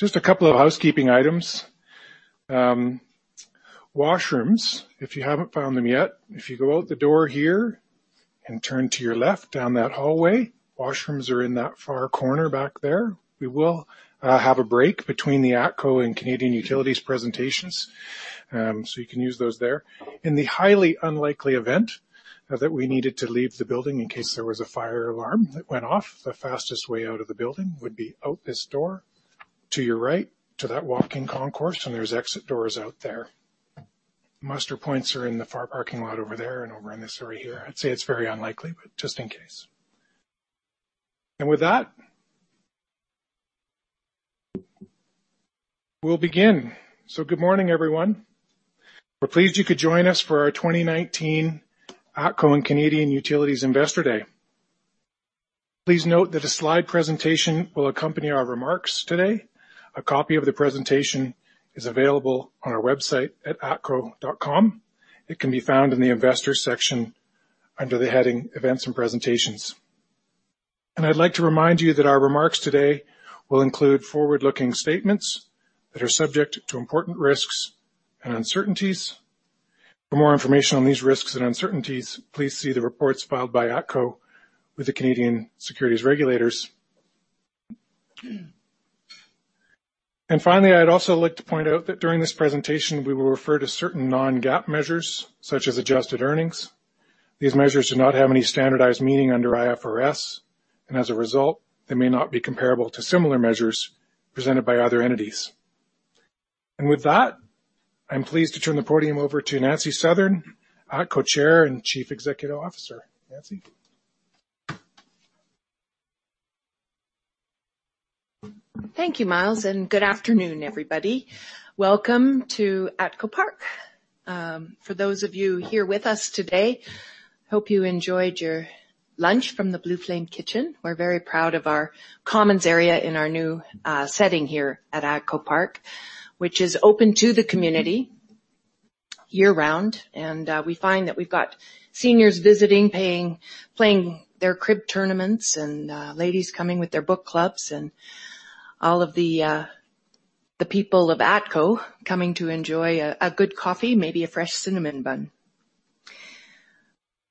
Just a couple of housekeeping items. Washrooms, if you haven't found them yet, if you go out the door here and turn to your left down that hallway, washrooms are in that far corner back there. We will have a break between the ATCO and Canadian Utilities presentations, you can use those there. In the highly unlikely event that we needed to leave the building in case there was a fire alarm that went off, the fastest way out of the building would be out this door to your right to that walking concourse, there's exit doors out there. Muster points are in the far parking lot over there and over in this area here. I'd say it's very unlikely, just in case. With that, we'll begin. Good morning, everyone. We're pleased you could join us for our 2019 ATCO and Canadian Utilities Investor Day. Please note that a slide presentation will accompany our remarks today. A copy of the presentation is available on our website at atco.com. It can be found in the Investors section under the heading Events and Presentations. I'd like to remind you that our remarks today will include forward-looking statements that are subject to important risks and uncertainties. For more information on these risks and uncertainties, please see the reports filed by ATCO with the Canadian Securities Administrators. Finally, I'd also like to point out that during this presentation, we will refer to certain non-GAAP measures, such as adjusted earnings. These measures do not have any standardized meaning under IFRS, and as a result, they may not be comparable to similar measures presented by other entities. With that, I'm pleased to turn the podium over to Nancy Southern, ATCO Chair and Chief Executive Officer. Nancy. Thank you, Myles, good afternoon, everybody. Welcome to ATCO Park. For those of you here with us today, hope you enjoyed your lunch from the Blue Flame Kitchen. We're very proud of our commons area in our new setting here at ATCO Park, which is open to the community year-round. We find that we've got seniors visiting, playing their crib tournaments, and ladies coming with their book clubs, and all of the people of ATCO coming to enjoy a good coffee, maybe a fresh cinnamon bun.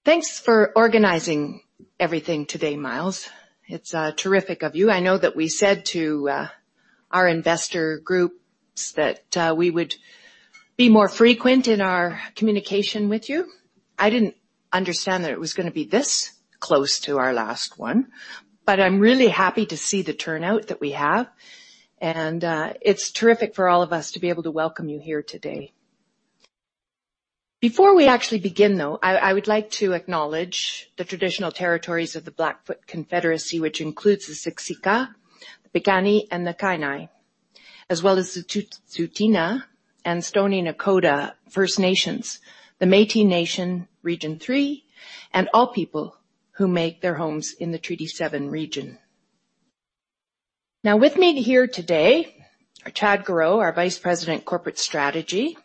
Thanks for organizing everything today, Myles. It's terrific of you. I know that we said to our investor groups that we would be more frequent in our communication with you. I didn't understand that it was going to be this close to our last one. I'm really happy to see the turnout that we have. It's terrific for all of us to be able to welcome you here today. Before we actually begin, though, I would like to acknowledge the traditional territories of the Blackfoot Confederacy, which includes the Siksika, the Piikani, and the Kainai, as well as the Tsuut'ina and Stoney Nakoda First Nations, the Métis Nation, Region 3, and all people who make their homes in the Treaty 7 region. Now with me here today are Chad Gareau, our Vice President, Corporate Strategy,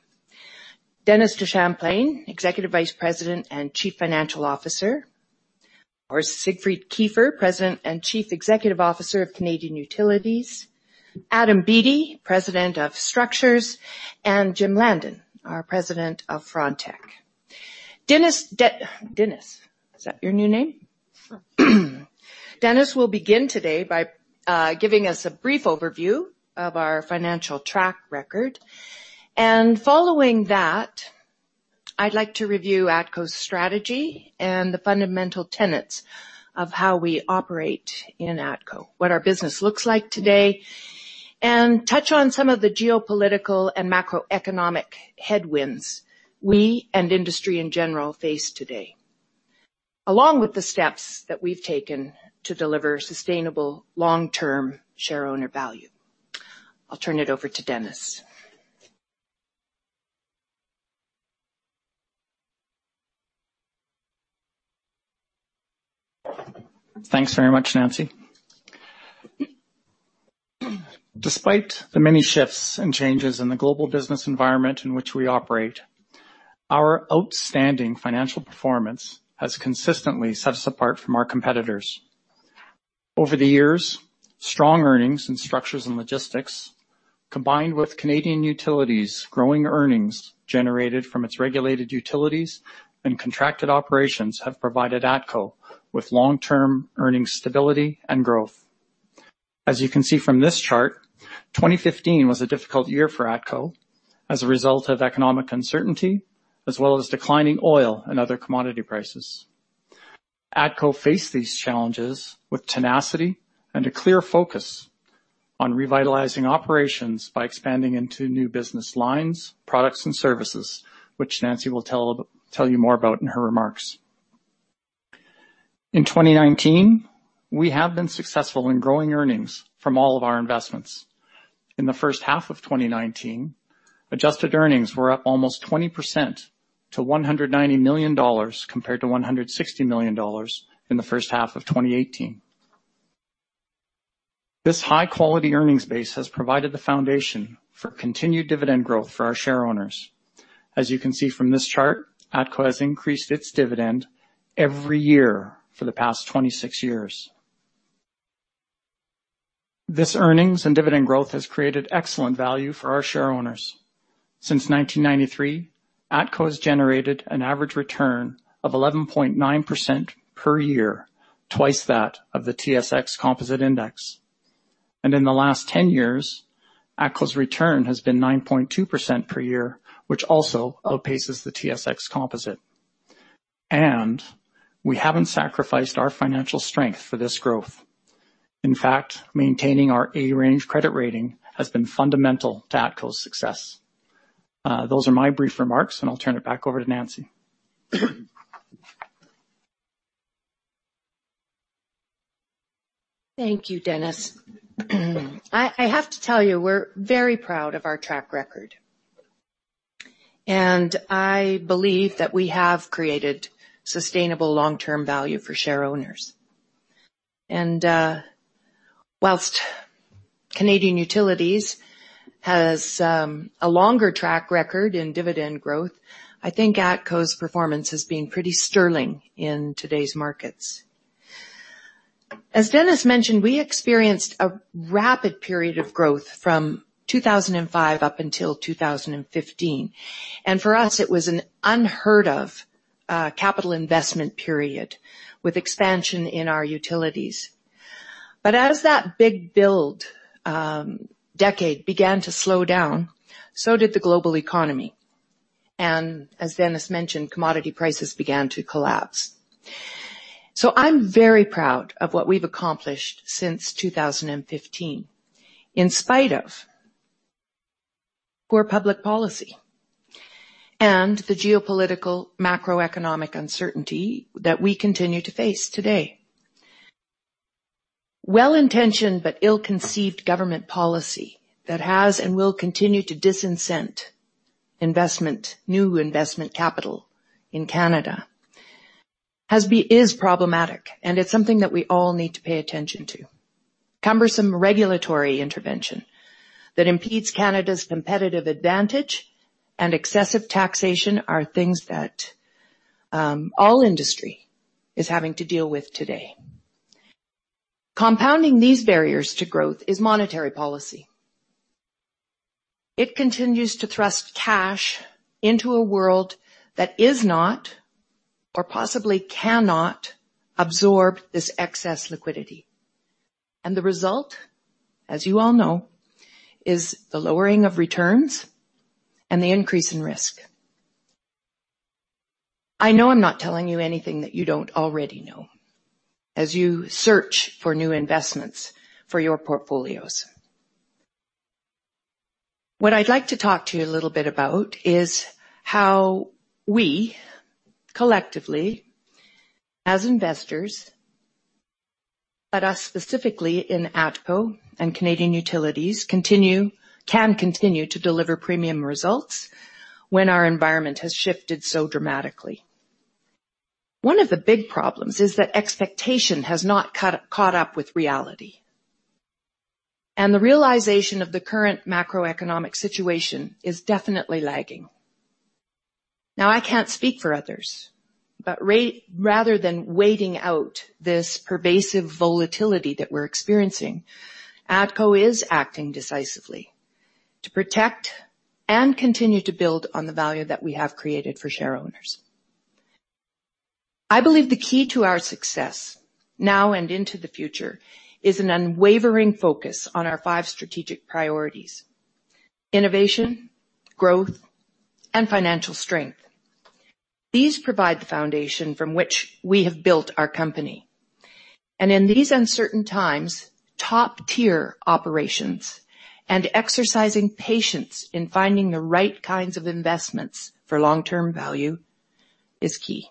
Dennis DeChamplain, Executive Vice President and Chief Financial Officer, or Siegfried Kiefer, President and Chief Executive Officer of Canadian Utilities, Adam Beattie, President of Structures, and Jim Landon, our President of Frontec. Dennis, is that your new name? Dennis will begin today by giving us a brief overview of our financial track record. Following that, I'd like to review ATCO's strategy and the fundamental tenets of how we operate in ATCO, what our business looks like today, and touch on some of the geopolitical and macroeconomic headwinds we and industry in general face today. Along with the steps that we've taken to deliver sustainable long-term shareowner value. I'll turn it over to Dennis. Thanks very much, Nancy. Despite the many shifts and changes in the global business environment in which we operate, our outstanding financial performance has consistently set us apart from our competitors. Over the years, strong earnings in Structures and Logistics, combined with Canadian Utilities' growing earnings generated from its regulated utilities and contracted operations have provided ATCO with long-term earning stability and growth. As you can see from this chart, 2015 was a difficult year for ATCO as a result of economic uncertainty, as well as declining oil and other commodity prices. ATCO faced these challenges with tenacity and a clear focus on revitalizing operations by expanding into new business lines, products, and services, which Nancy will tell you more about in her remarks. In 2019, we have been successful in growing earnings from all of our investments. In the first half of 2019, adjusted earnings were up almost 20% to 190 million dollars compared to 160 million dollars in the first half of 2018. This high-quality earnings base has provided the foundation for continued dividend growth for our share owners. As you can see from this chart, ATCO has increased its dividend every year for the past 26 years. This earnings and dividend growth has created excellent value for our share owners. Since 1993, ATCO has generated an average return of 11.9% per year, twice that of the TSX Composite Index. In the last 10 years, ATCO's return has been 9.2% per year, which also outpaces the TSX Composite. We haven't sacrificed our financial strength for this growth. In fact, maintaining our A-range credit rating has been fundamental to ATCO's success. Those are my brief remarks, and I'll turn it back over to Nancy. Thank you, Dennis. I have to tell you, we're very proud of our track record. I believe that we have created sustainable long-term value for share owners. Whilst Canadian Utilities has a longer track record in dividend growth, I think ATCO's performance has been pretty sterling in today's markets. As Dennis mentioned, we experienced a rapid period of growth from 2005 up until 2015, and for us it was an unheard of capital investment period with expansion in our utilities. As that big build decade began to slow down, so did the global economy. As Dennis mentioned, commodity prices began to collapse. I'm very proud of what we've accomplished since 2015, in spite of poor public policy and the geopolitical macroeconomic uncertainty that we continue to face today. Well-intentioned, but ill-conceived government policy that has and will continue to disincent investment, new investment capital in Canada is problematic, and it's something that we all need to pay attention to. Cumbersome regulatory intervention that impedes Canada's competitive advantage and excessive taxation are things that all industry is having to deal with today. Compounding these barriers to growth is monetary policy. It continues to thrust cash into a world that is not or possibly cannot absorb this excess liquidity. The result, as you all know, is the lowering of returns and the increase in risk. I know I'm not telling you anything that you don't already know as you search for new investments for your portfolios. What I'd like to talk to you a little bit about is how we collectively as investors, but us specifically in ATCO and Canadian Utilities, can continue to deliver premium results when our environment has shifted so dramatically. One of the big problems is that expectation has not caught up with reality, and the realization of the current macroeconomic situation is definitely lagging. I can't speak for others, but rather than waiting out this pervasive volatility that we're experiencing, ATCO is acting decisively to protect and continue to build on the value that we have created for share owners. I believe the key to our success now and into the future is an unwavering focus on our five strategic priorities, innovation, growth, and financial strength. These provide the foundation from which we have built our company. In these uncertain times, top-tier operations and exercising patience in finding the right kinds of investments for long-term value is key.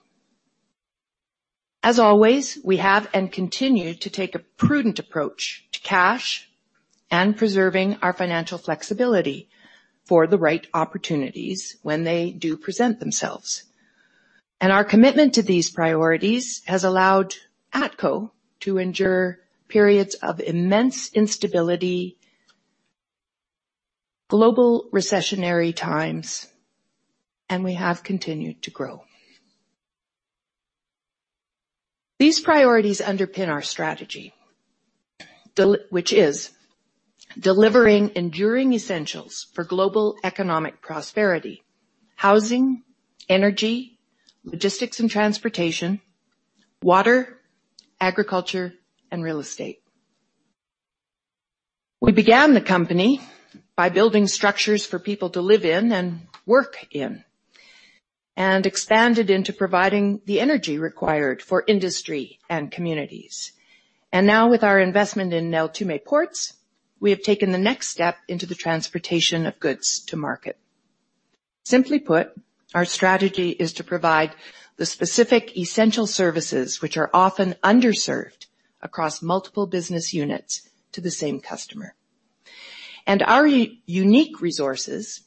As always, we have and continue to take a prudent approach to cash and preserving our financial flexibility for the right opportunities when they do present themselves. Our commitment to these priorities has allowed ATCO to endure periods of immense instability, global recessionary times, and we have continued to grow. These priorities underpin our strategy, which is delivering enduring essentials for global economic prosperity, housing, energy, logistics and transportation, water, agriculture, and real estate. We began the company by building structures for people to live in and work in, and expanded into providing the energy required for industry and communities. Now with our investment in Neltume Ports, we have taken the next step into the transportation of goods to market. Simply put, our strategy is to provide the specific essential services which are often underserved across multiple business units to the same customer. Our unique resources,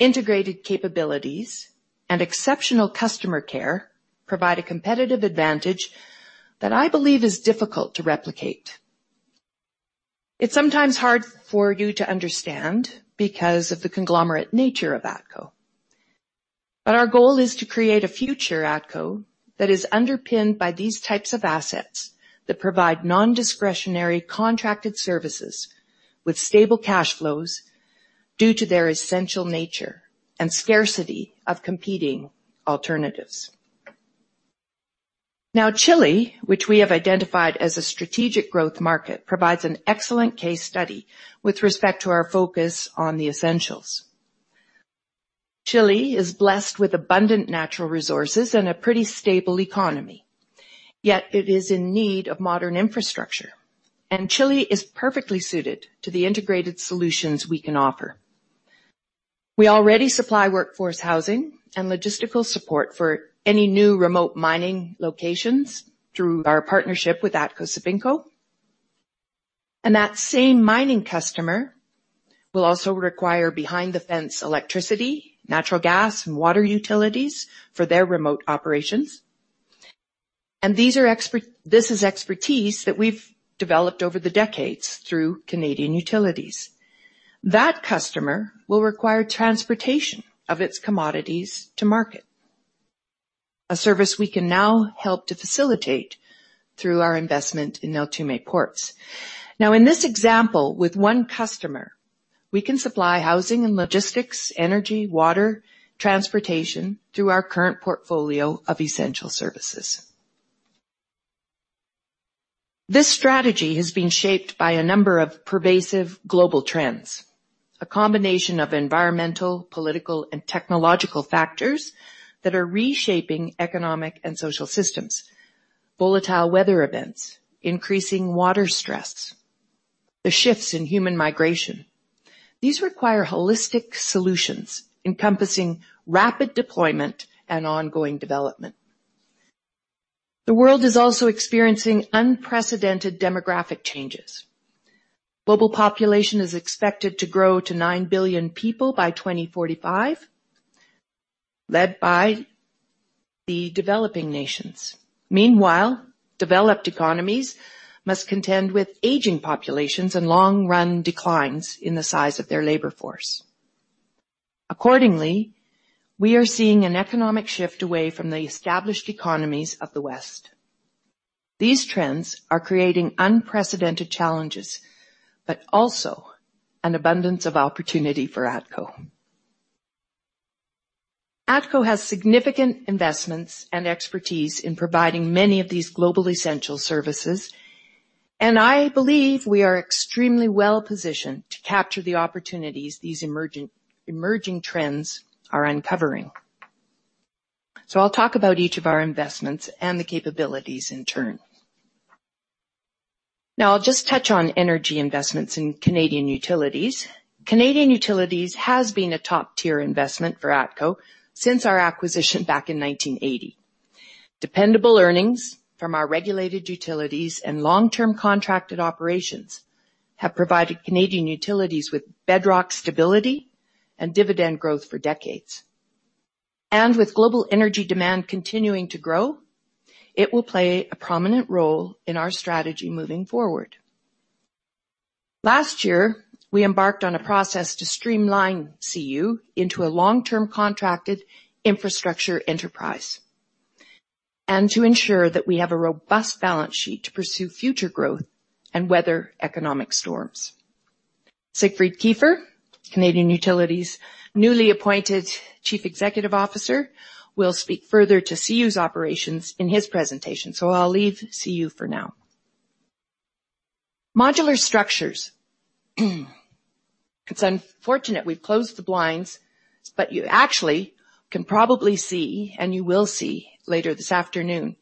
integrated capabilities, and exceptional customer care provide a competitive advantage that I believe is difficult to replicate. It's sometimes hard for you to understand because of the conglomerate nature of ATCO, but our goal is to create a future ATCO that is underpinned by these types of assets that provide non-discretionary contracted services with stable cash flows due to their essential nature and scarcity of competing alternatives. Now, Chile, which we have identified as a strategic growth market, provides an excellent case study with respect to our focus on the essentials. Chile is blessed with abundant natural resources and a pretty stable economy, yet it is in need of modern infrastructure, and Chile is perfectly suited to the integrated solutions we can offer. We already supply workforce housing and logistical support for any new remote mining locations through our partnership with ATCO Sabinco. That same mining customer will also require behind-the-fence electricity, natural gas, and water utilities for their remote operations. This is expertise that we've developed over the decades through Canadian Utilities. That customer will require transportation of its commodities to market, a service we can now help to facilitate through our investment in Neltume Ports. In this example, with one customer, we can supply housing and logistics, energy, water, transportation through our current portfolio of essential services. This strategy has been shaped by a number of pervasive global trends, a combination of environmental, political, and technological factors that are reshaping economic and social systems. Volatile weather events, increasing water stress, the shifts in human migration. These require holistic solutions encompassing rapid deployment and ongoing development. The world is also experiencing unprecedented demographic changes. Global population is expected to grow to nine billion people by 2045, led by the developing nations. Meanwhile, developed economies must contend with aging populations and long-run declines in the size of their labor force. Accordingly, we are seeing an economic shift away from the established economies of the West. These trends are creating unprecedented challenges, but also an abundance of opportunity for ATCO. ATCO has significant investments and expertise in providing many of these global essential services, and I believe we are extremely well-positioned to capture the opportunities these emerging trends are uncovering. I'll talk about each of our investments and the capabilities in turn. I'll just touch on energy investments in Canadian Utilities. Canadian Utilities has been a top-tier investment for ATCO since our acquisition back in 1980. Dependable earnings from our regulated utilities and long-term contracted operations have provided Canadian Utilities with bedrock stability and dividend growth for decades. With global energy demand continuing to grow, it will play a prominent role in our strategy moving forward. Last year, we embarked on a process to streamline CU into a long-term contracted infrastructure enterprise and to ensure that we have a robust balance sheet to pursue future growth and weather economic storms. Siegfried Kiefer, Canadian Utilities' newly appointed Chief Executive Officer, will speak further to CU's operations in his presentation. I'll leave CU for now. Modular structures. It's unfortunate we've closed the blinds, but you actually can probably see, and you will see later this afternoon,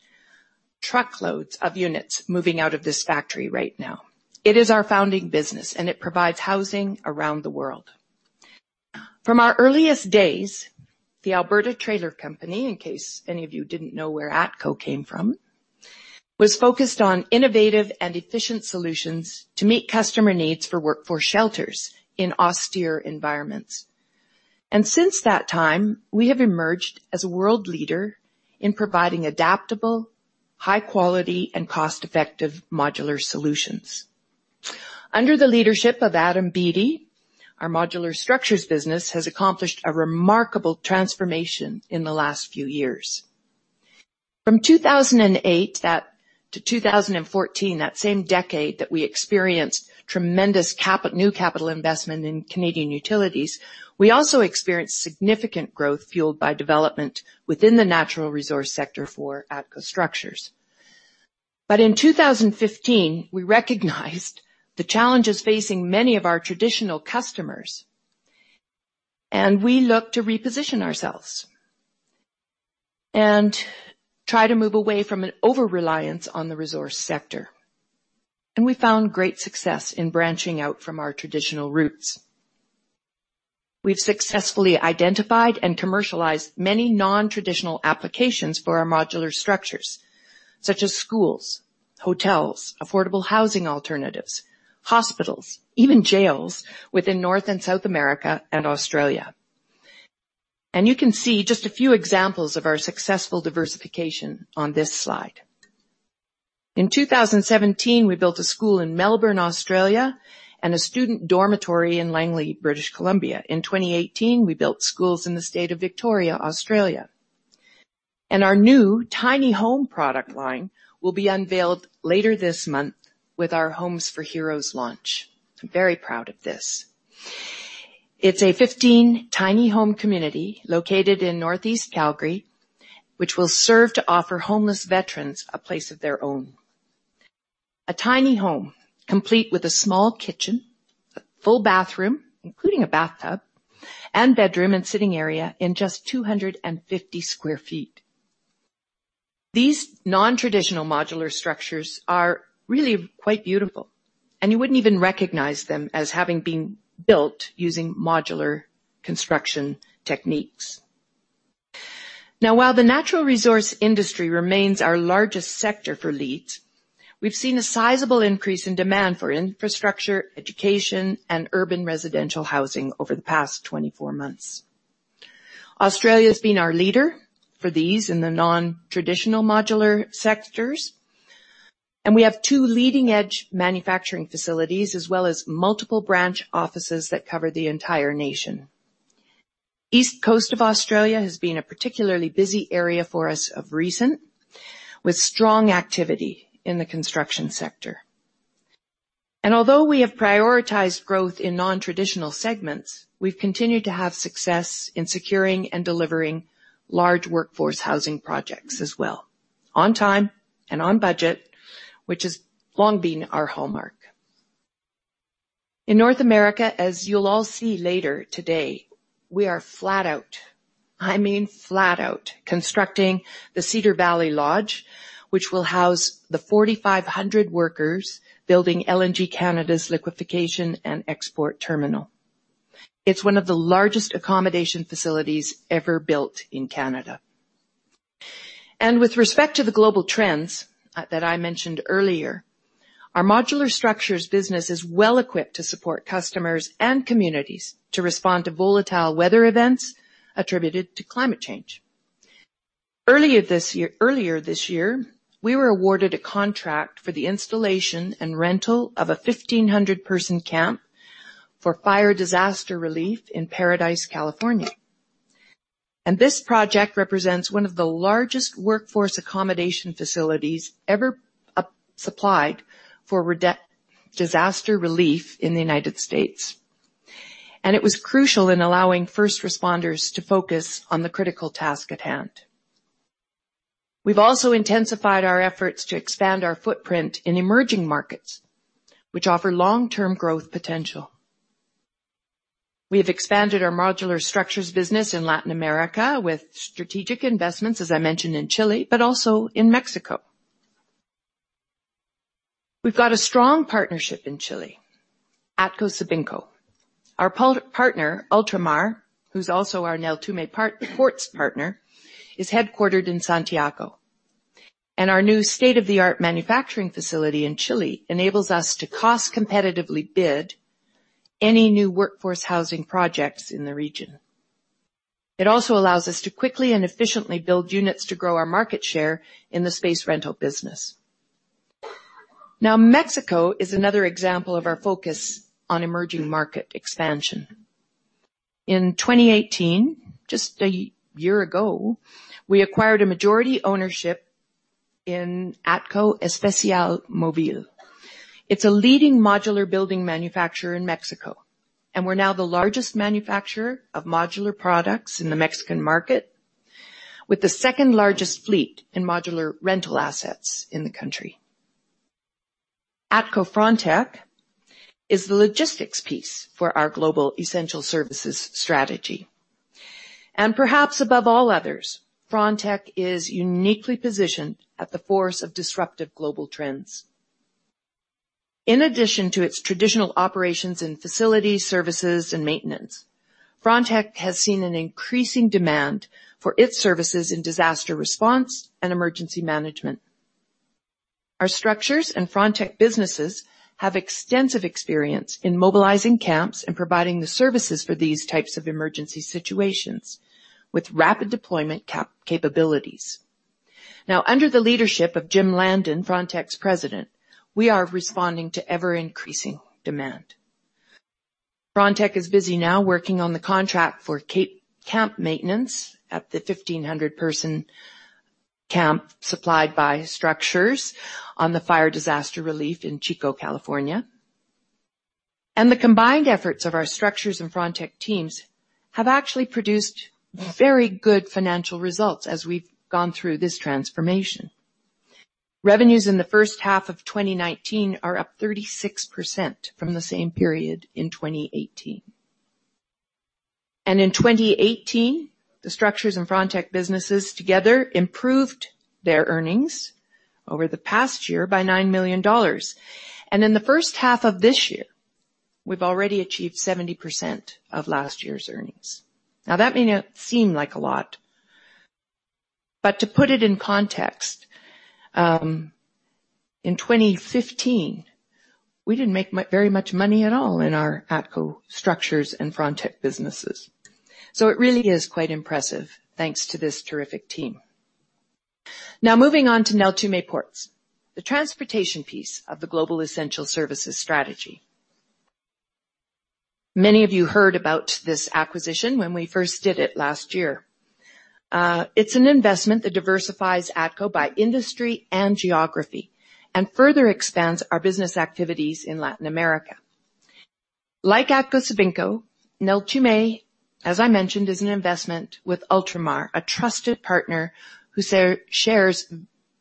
truckloads of units moving out of this factory right now. It is our founding business, and it provides housing around the world. From our earliest days, the Alberta Trailer Company, in case any of you didn't know where ATCO came from, was focused on innovative and efficient solutions to meet customer needs for workforce shelters in austere environments. Since that time, we have emerged as a world leader in providing adaptable, high quality, and cost-effective modular solutions. Under the leadership of Adam Beattie, our modular structures business has accomplished a remarkable transformation in the last few years. From 2008 to 2014, that same decade that we experienced tremendous new capital investment in Canadian Utilities, we also experienced significant growth fueled by development within the natural resource sector for ATCO Structures. In 2015, we recognized the challenges facing many of our traditional customers, and we looked to reposition ourselves and try to move away from an over-reliance on the resource sector. We found great success in branching out from our traditional roots. We've successfully identified and commercialized many non-traditional applications for our modular structures, such as schools, hotels, affordable housing alternatives, hospitals, even jails within North and South America and Australia. You can see just a few examples of our successful diversification on this slide. In 2017, we built a school in Melbourne, Australia and a student dormitory in Langley, British Columbia. In 2018, we built schools in the state of Victoria, Australia. Our new tiny home product line will be unveiled later this month with our Homes For Heroes launch. I'm very proud of this. It's a 15 tiny home community located in Northeast Calgary, which will serve to offer homeless veterans a place of their own. A tiny home, complete with a small kitchen, a full bathroom, including a bathtub, and bedroom and sitting area in just 250 sq ft. These non-traditional modular structures are really quite beautiful, and you wouldn't even recognize them as having been built using modular construction techniques. While the natural resource industry remains our largest sector for LEET, we've seen a sizable increase in demand for infrastructure, education, and urban residential housing over the past 24 months. Australia's been our leader for these in the non-traditional modular sectors, and we have two leading-edge manufacturing facilities as well as multiple branch offices that cover the entire nation. East Coast of Australia has been a particularly busy area for us of recent, with strong activity in the construction sector. Although we have prioritized growth in non-traditional segments, we've continued to have success in securing and delivering large workforce housing projects as well, on time and on budget, which has long been our hallmark. In North America, as you'll all see later today, we are flat out, I mean flat out constructing the Cedar Valley Lodge, which will house the 4,500 workers building LNG Canada's liquefaction and export terminal. It's one of the largest accommodation facilities ever built in Canada. With respect to the global trends that I mentioned earlier, our modular structures business is well equipped to support customers and communities to respond to volatile weather events attributed to climate change. Earlier this year, we were awarded a contract for the installation and rental of a 1,500-person camp for fire disaster relief in Paradise, California. This project represents one of the largest workforce accommodation facilities ever supplied for disaster relief in the U.S. It was crucial in allowing first responders to focus on the critical task at hand. We've also intensified our efforts to expand our footprint in emerging markets, which offer long-term growth potential. We have expanded our modular structures business in Latin America with strategic investments, as I mentioned in Chile, but also in Mexico. We've got a strong partnership in Chile, ATCO Sabinco. Our partner, Ultramar, who's also our Neltume Ports partner, is headquartered in Santiago. Our new state-of-the-art manufacturing facility in Chile enables us to cost competitively bid any new workforce housing projects in the region. It also allows us to quickly and efficiently build units to grow our market share in the space rental business. Mexico is another example of our focus on emerging market expansion. In 2018, just a year ago, we acquired a majority ownership in ATCO Espaciomovil. It's a leading modular building manufacturer in Mexico. We're now the largest manufacturer of modular products in the Mexican market with the second-largest fleet in modular rental assets in the country. ATCO Frontec is the logistics piece for our global essential services strategy. Perhaps above all others, Frontec is uniquely positioned at the force of disruptive global trends. In addition to its traditional operations in facility services and maintenance, Frontec has seen an increasing demand for its services in disaster response and emergency management. Our structures and Frontec businesses have extensive experience in mobilizing camps and providing the services for these types of emergency situations with rapid deployment capabilities. Now, under the leadership of Jim Landon, Frontec's President, we are responding to ever-increasing demand. Frontec is busy now working on the contract for camp maintenance at the 1,500-person camp supplied by structures on the fire disaster relief in Chico, California. The combined efforts of our Structures and Frontec teams have actually produced very good financial results as we've gone through this transformation. Revenues in the first half of 2019 are up 36% from the same period in 2018. In 2018, the Structures and Frontec businesses together improved their earnings over the past year by 9 million dollars. In the first half of this year, we've already achieved 70% of last year's earnings. Now, that may not seem like a lot, but to put it in context, in 2015, we didn't make very much money at all in our ATCO Structures and Frontec businesses. It really is quite impressive, thanks to this terrific team. Now moving on to Neltume Ports, the transportation piece of the global essential services strategy. Many of you heard about this acquisition when we first did it last year. It's an investment that diversifies ATCO by industry and geography and further expands our business activities in Latin America. Like ATCO Sabinco, Neltume, as I mentioned, is an investment with Ultramar, a trusted partner who shares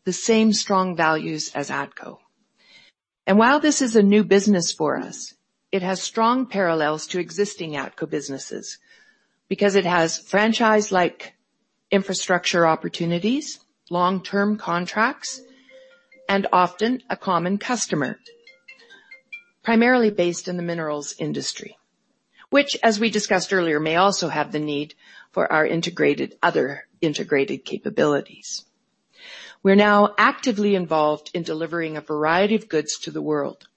the same strong values as ATCO. While this is a new business for us, it has strong parallels to existing ATCO businesses because it has franchise-like infrastructure opportunities, long-term contracts, and often a common customer, primarily based in the minerals industry, which, as we discussed earlier, may also have the need for our other integrated capabilities. We're now actively involved in delivering a variety of goods to the world,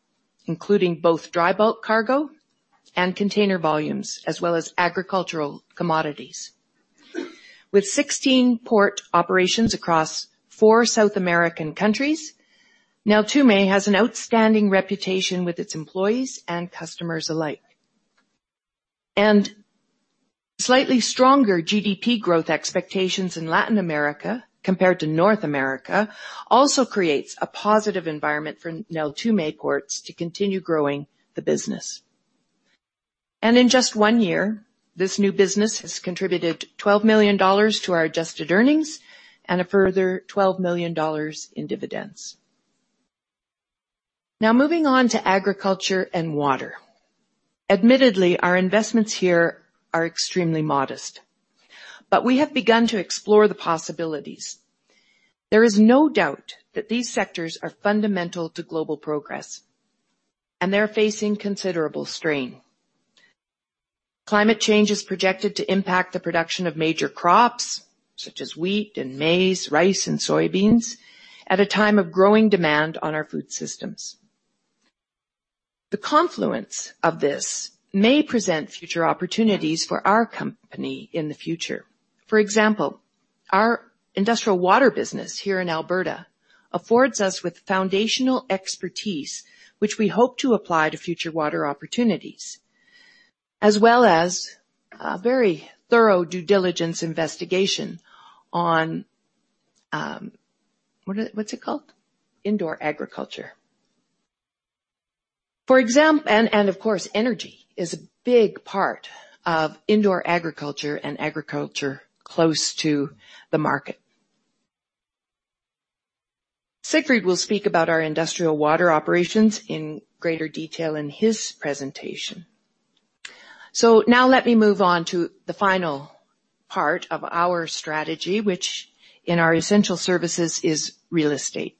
including both dry bulk cargo and container volumes, as well as agricultural commodities. With 16 port operations across four South American countries, Neltume has an outstanding reputation with its employees and customers alike. Slightly stronger GDP growth expectations in Latin America compared to North America also creates a positive environment for Neltume Ports to continue growing the business. In just one year, this new business has contributed 12 million dollars to our adjusted earnings and a further 12 million dollars in dividends. Now moving on to agriculture and water. Admittedly, our investments here are extremely modest, but we have begun to explore the possibilities. There is no doubt that these sectors are fundamental to global progress, and they're facing considerable strain. Climate change is projected to impact the production of major crops such as wheat and maize, rice and soybeans, at a time of growing demand on our food systems. The confluence of this may present future opportunities for our company in the future. For example, our industrial water business here in Alberta affords us with foundational expertise, which we hope to apply to future water opportunities, as well as a very thorough due diligence investigation on, what's it called? Indoor agriculture. Of course, energy is a big part of indoor agriculture and agriculture close to the market. Siegfried will speak about our industrial water operations in greater detail in his presentation. Now let me move on to the final part of our strategy, which in our essential services is real estate.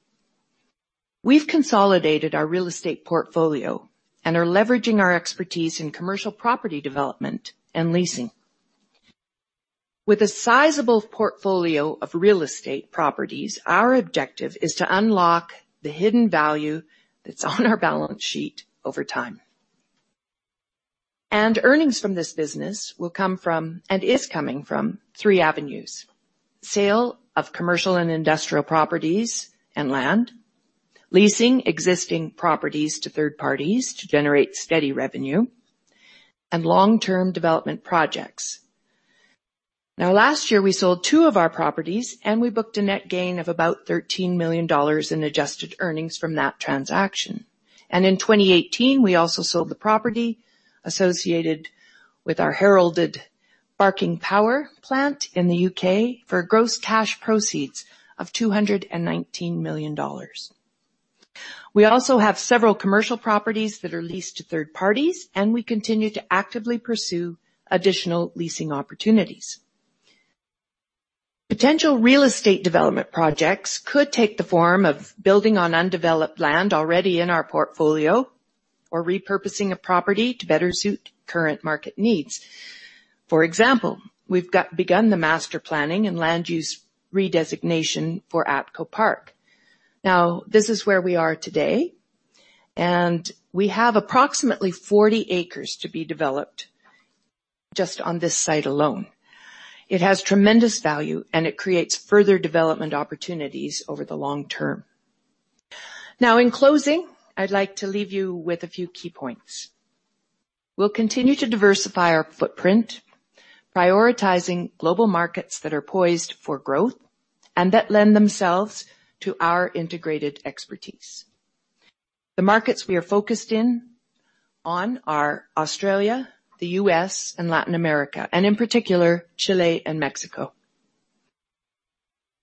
We've consolidated our real estate portfolio and are leveraging our expertise in commercial property development and leasing. With a sizable portfolio of real estate properties, our objective is to unlock the hidden value that's on our balance sheet over time. Earnings from this business will come from, and is coming from, three avenues: sale of commercial and industrial properties and land, leasing existing properties to third parties to generate steady revenue, and long-term development projects. Now, last year, we sold two of our properties, and we booked a net gain of about 13 million dollars in adjusted earnings from that transaction. In 2018, we also sold the property associated with our heralded Barking Power Station in the U.K. for gross cash proceeds of 219 million dollars. We also have several commercial properties that are leased to third parties, and we continue to actively pursue additional leasing opportunities. Potential real estate development projects could take the form of building on undeveloped land already in our portfolio or repurposing a property to better suit current market needs. For example, we've begun the master planning and land use redesignation for ATCO Park. This is where we are today, and we have approximately 40 acres to be developed just on this site alone. It has tremendous value, and it creates further development opportunities over the long term. In closing, I'd like to leave you with a few key points. We'll continue to diversify our footprint, prioritizing global markets that are poised for growth and that lend themselves to our integrated expertise. The markets we are focused on are Australia, the U.S., and Latin America, and in particular, Chile and Mexico.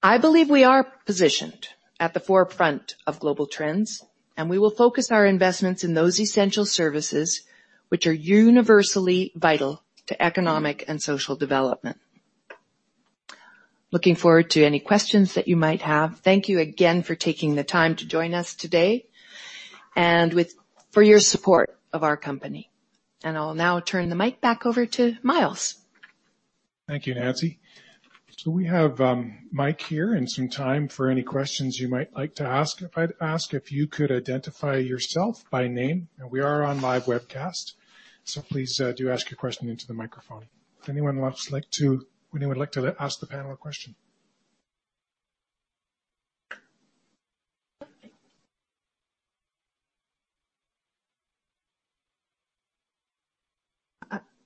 I believe we are positioned at the forefront of global trends, and we will focus our investments in those essential services which are universally vital to economic and social development. Looking forward to any questions that you might have. Thank you again for taking the time to join us today, and for your support of our company. I'll now turn the mic back over to Myles. Thank you, Nancy. We have Myles here and some time for any questions you might like to ask. If I'd ask if you could identify yourself by name. We are on live webcast, so please do ask your question into the microphone. If anyone would like to ask the panel a question.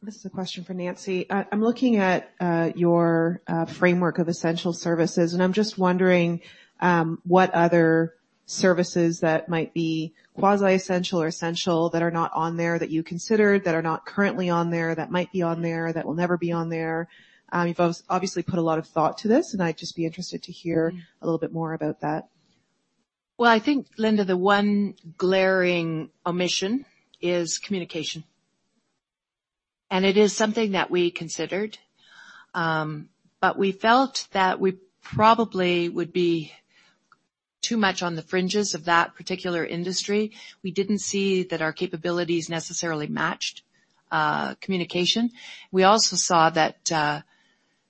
This is a question for Nancy. I'm looking at your framework of essential services, and I'm just wondering what other services that might be quasi essential or essential that are not on there, that you considered, that are not currently on there, that might be on there, that will never be on there. You've obviously put a lot of thought to this, and I'd just be interested to hear a little bit more about that. Well, I think, Linda, the one glaring omission is communication. It is something that we considered, but we felt that we probably would be too much on the fringes of that particular industry. We didn't see that our capabilities necessarily matched communication. We also saw that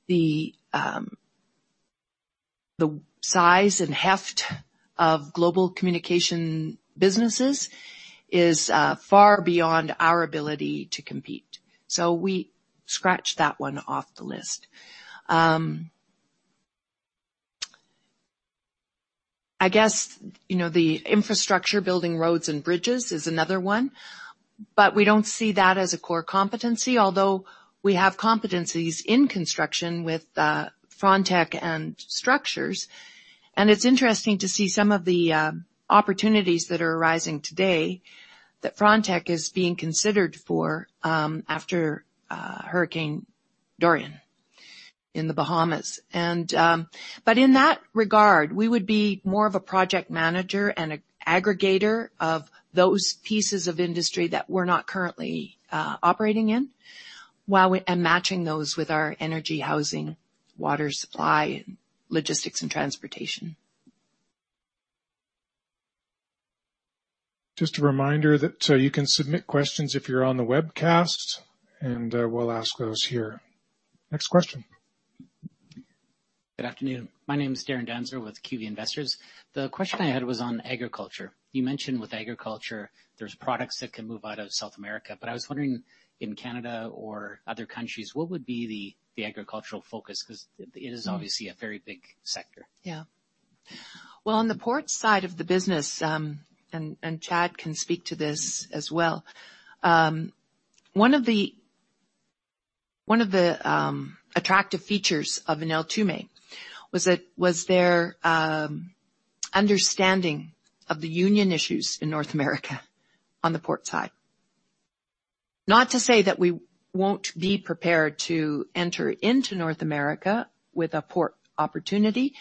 the size and heft of global communication businesses is far beyond our ability to compete. We scratched that one off the list. I guess, the infrastructure, building roads and bridges is another one. We don't see that as a core competency, although we have competencies in construction with Frontec and structures. It's interesting to see some of the opportunities that are arising today that Frontec is being considered for after Hurricane Dorian in the Bahamas. In that regard, we would be more of a project manager and aggregator of those pieces of industry that we're not currently operating in, and matching those with our energy, housing, water supply, logistics, and transportation. Just a reminder that you can submit questions if you're on the webcast. We'll ask those here. Next question. Good afternoon. My name is Darren Dasko with QV Investors. The question I had was on agriculture. You mentioned with agriculture, there's products that can move out of South America. I was wondering in Canada or other countries, what would be the agricultural focus? Because it is obviously a very big sector. Well, on the port side of the business, and Chad can speak to this as well. One of the attractive features of Neltume was their understanding of the union issues in North America on the port side. Not to say that we won't be prepared to enter into North America with a port opportunity,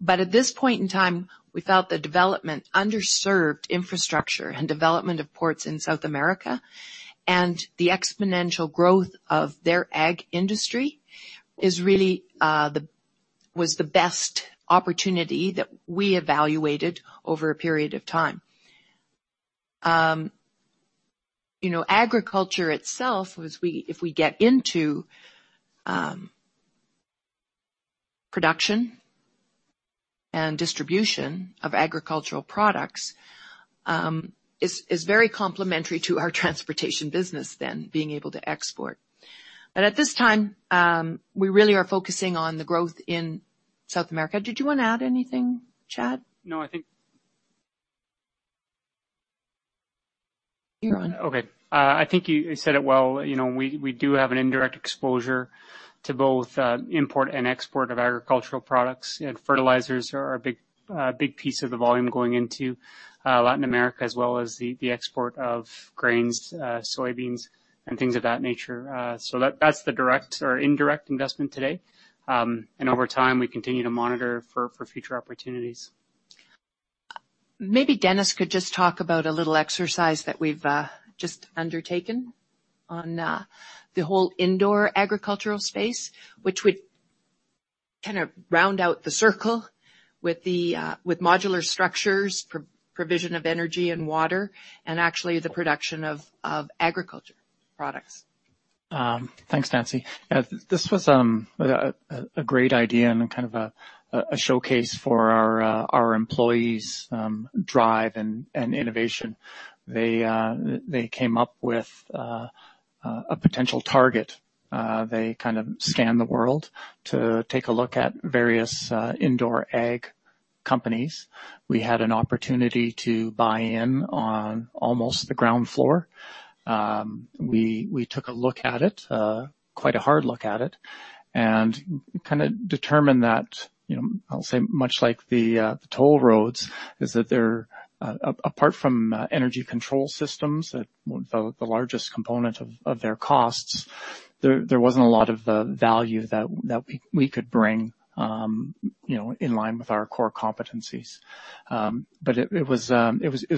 but at this point in time, we felt the development, underserved infrastructure, and development of ports in South America, and the exponential growth of their ag industry was the best opportunity that we evaluated over a period of time. Agriculture itself, if we get into production and distribution of agricultural products, is very complementary to our transportation business than being able to export. At this time, we really are focusing on the growth in South America. Did you want to add anything, Chad? No, I think- You're on. Okay. I think you said it well. We do have an indirect exposure to both import and export of agricultural products, and fertilizers are a big piece of the volume going into Latin America, as well as the export of grains, soybeans, and things of that nature. That's the direct or indirect investment today. Over time, we continue to monitor for future opportunities. Maybe Dennis could just talk about a little exercise that we've just undertaken on the whole indoor agricultural space, which would kind of round out the circle with modular structures, provision of energy and water, and actually the production of agriculture products. Thanks, Nancy. This was a great idea and kind of a showcase for our employees' drive and innovation. They came up with a potential target. They kind of scanned the world to take a look at various indoor ag companies. We had an opportunity to buy in on almost the ground floor. We took a look at it, quite a hard look at it, and kind of determined that, I'll say much like the toll roads, is that apart from energy control systems, the largest component of their costs, there wasn't a lot of value that we could bring in line with our core competencies. It was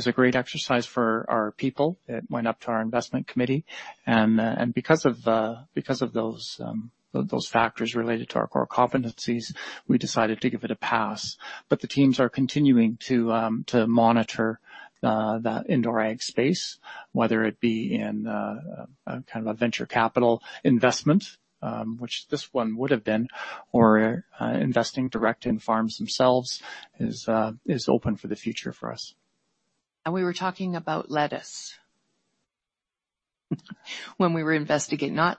a great exercise for our people. It went up to our investment committee. Because of those factors related to our core competencies, we decided to give it a pass. The teams are continuing to monitor that indoor ag space, whether it be in a kind of a venture capital investment, which this one would've been, or investing direct in farms themselves is open for the future for us. We were talking about lettuce. When we were investigating, not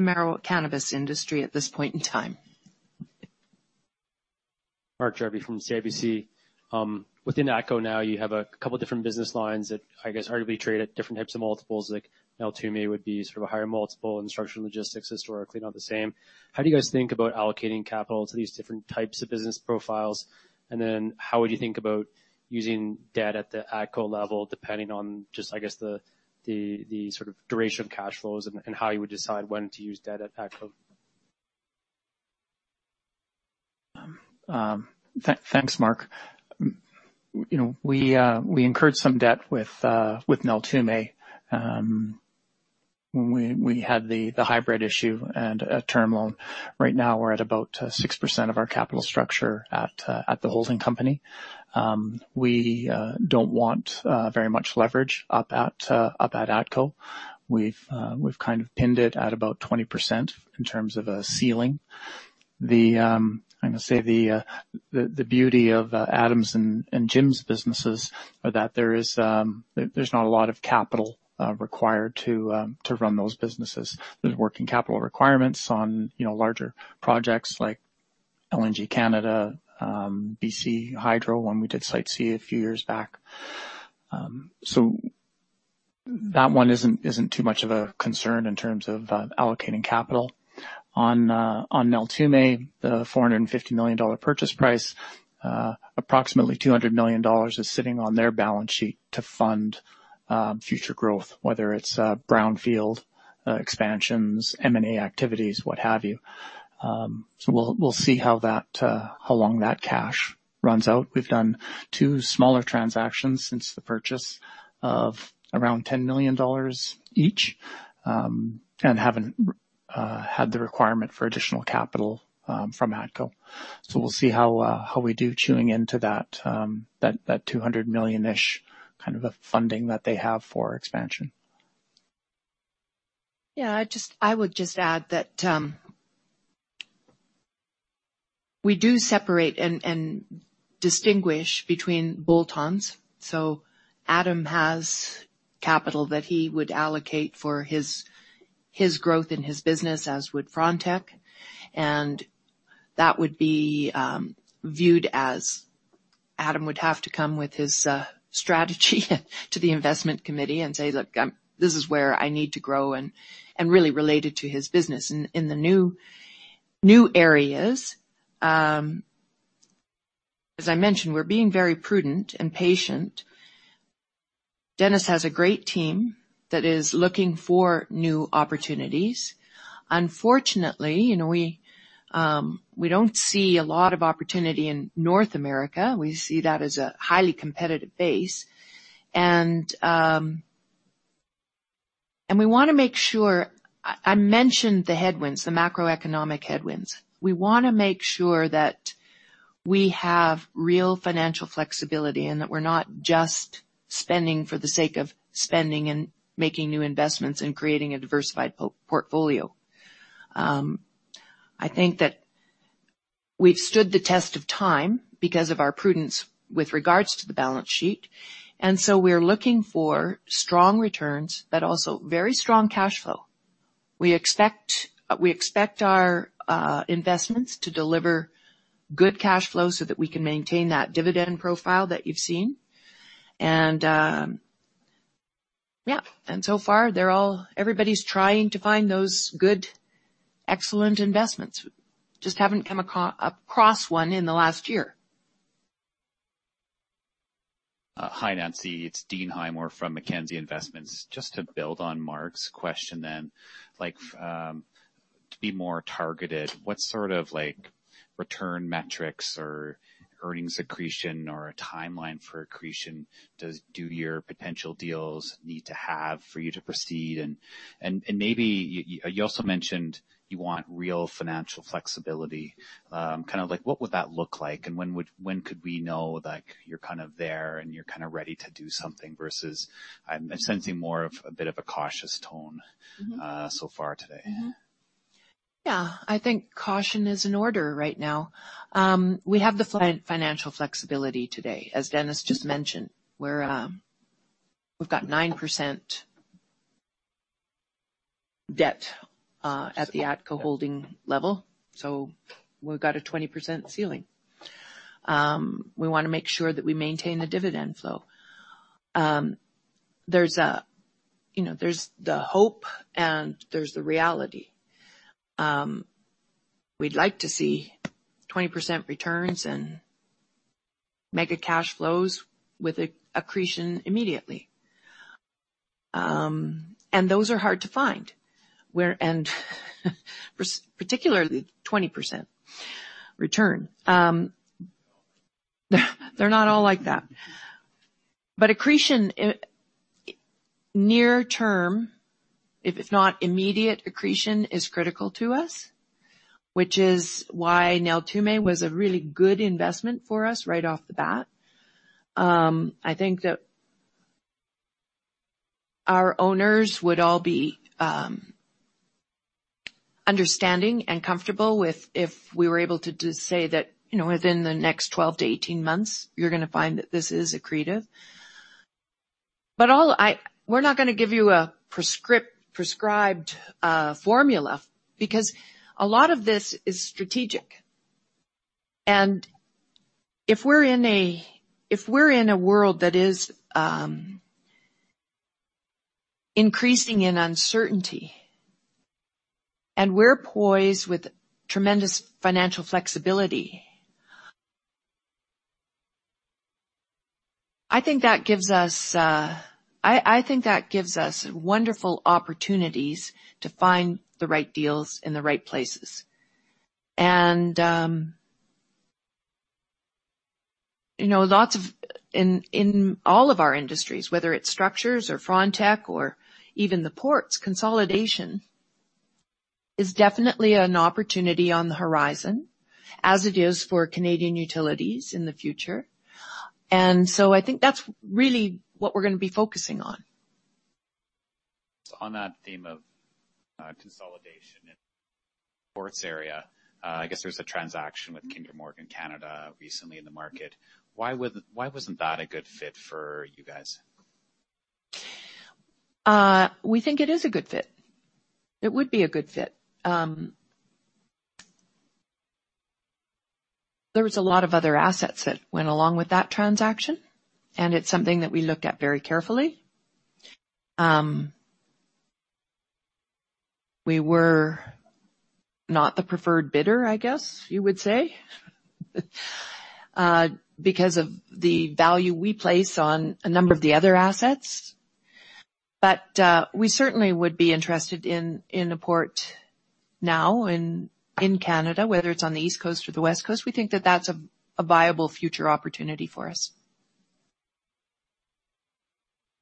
the marijuana cannabis industry at this point in time. Mark Jarvi from CIBC. Within ATCO now you have a couple different business lines that I guess arguably trade at different types of multiples, like Neltume would be sort of a higher multiple, and structural logistics historically not the same. How do you guys think about allocating capital to these different types of business profiles? How would you think about using debt at the ATCO level depending on just, I guess, the sort of duration of cash flows and how you would decide when to use debt at ATCO? Thanks, Mark. We incurred some debt with Neltume when we had the hybrid issue and a term loan. Right now, we're at about 6% of our capital structure at the holding company. We don't want very much leverage up at ATCO. We've kind of pinned it at about 20% in terms of a ceiling. I'm going to say the beauty of Adam's and Jim's businesses are that there's not a lot of capital required to run those businesses. There's working capital requirements on larger projects like LNG Canada, BC Hydro, when we did Site C a few years back. That one isn't too much of a concern in terms of allocating capital. On Neltume, the 450 million dollar purchase price, approximately 200 million dollars is sitting on their balance sheet to fund future growth, whether it's brownfield expansions, M&A activities, what have you. We'll see how long that cash runs out. We've done two smaller transactions since the purchase of around 10 million dollars each, and haven't had the requirement for additional capital from ATCO. We'll see how we do chewing into that 200 million-ish kind of a funding that they have for expansion. Yeah, I would just add that we do separate and distinguish between bolt-ons. Adam has capital that he would allocate for his growth in his business as would Frontec, and that would be viewed as Adam would have to come with his strategy to the investment committee and say, "Look, this is where I need to grow," and really relate it to his business. In the new areas, as I mentioned, we're being very prudent and patient. Dennis has a great team that is looking for new opportunities. Unfortunately, we don't see a lot of opportunity in North America. We see that as a highly competitive base. We want to make sure I mentioned the headwinds, the macroeconomic headwinds. We want to make sure that we have real financial flexibility and that we're not just spending for the sake of spending and making new investments and creating a diversified portfolio. I think that we've stood the test of time because of our prudence with regards to the balance sheet. We're looking for strong returns, but also very strong cash flow. We expect our investments to deliver good cash flow so that we can maintain that dividend profile that you've seen. So far, everybody's trying to find those good, excellent investments. Just haven't come across one in the last year. Hi, Nancy. It's Dean Highmoor from Mackenzie Investments. Just to build on Mark's question then, to be more targeted, what sort of return metrics or earnings accretion or a timeline for accretion do your potential deals need to have for you to proceed? Maybe, you also mentioned you want real financial flexibility. What would that look like, and when could we know that you're kind of there and you're kind of ready to do something versus I'm sensing more of a bit of a cautious tone so far today? Yeah. I think caution is in order right now. We have the financial flexibility today, as Dennis just mentioned. We've got 9% debt at the ATCO holding level, so we've got a 20% ceiling. We want to make sure that we maintain the dividend flow. There's the hope and there's the reality. We'd like to see 20% returns and mega cash flows with accretion immediately. Those are hard to find. Particularly 20% return. They're not all like that. Accretion, near term, if it's not immediate, accretion is critical to us, which is why Neltume was a really good investment for us right off the bat. I think that our owners would all be understanding and comfortable with if we were able to just say that, within the next 12 to 18 months, you're going to find that this is accretive. We're not going to give you a prescribed formula because a lot of this is strategic, and if we're in a world that is increasing in uncertainty, and we're poised with tremendous financial flexibility, I think that gives us wonderful opportunities to find the right deals in the right places. In all of our industries, whether it's structures or Frontec or even the ports, consolidation is definitely an opportunity on the horizon, as it is for Canadian Utilities in the future. I think that's really what we're going to be focusing on. On that theme of consolidation in the ports area, I guess there was a transaction with Kinder Morgan Canada recently in the market. Why wasn't that a good fit for you guys? We think it is a good fit. It would be a good fit. There was a lot of other assets that went along with that transaction, and it's something that we looked at very carefully. We were not the preferred bidder, I guess you would say, because of the value we place on a number of the other assets. We certainly would be interested in a port now in Canada, whether it's on the East Coast or the West Coast. We think that that's a viable future opportunity for us.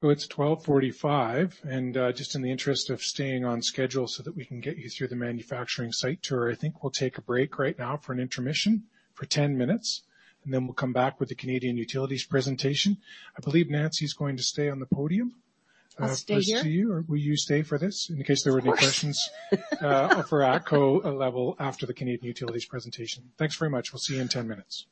It's 12:45, and just in the interest of staying on schedule so that we can get you through the manufacturing site tour, I think we'll take a break right now for an intermission for 10 minutes, and then we'll come back with the Canadian Utilities presentation. I believe Nancy's going to stay on the podium. I'll stay here. Will you stay for this in case there were any questions? Of course. for ATCO level after the Canadian Utilities presentation. Thanks very much. We'll see you in 10 minutes.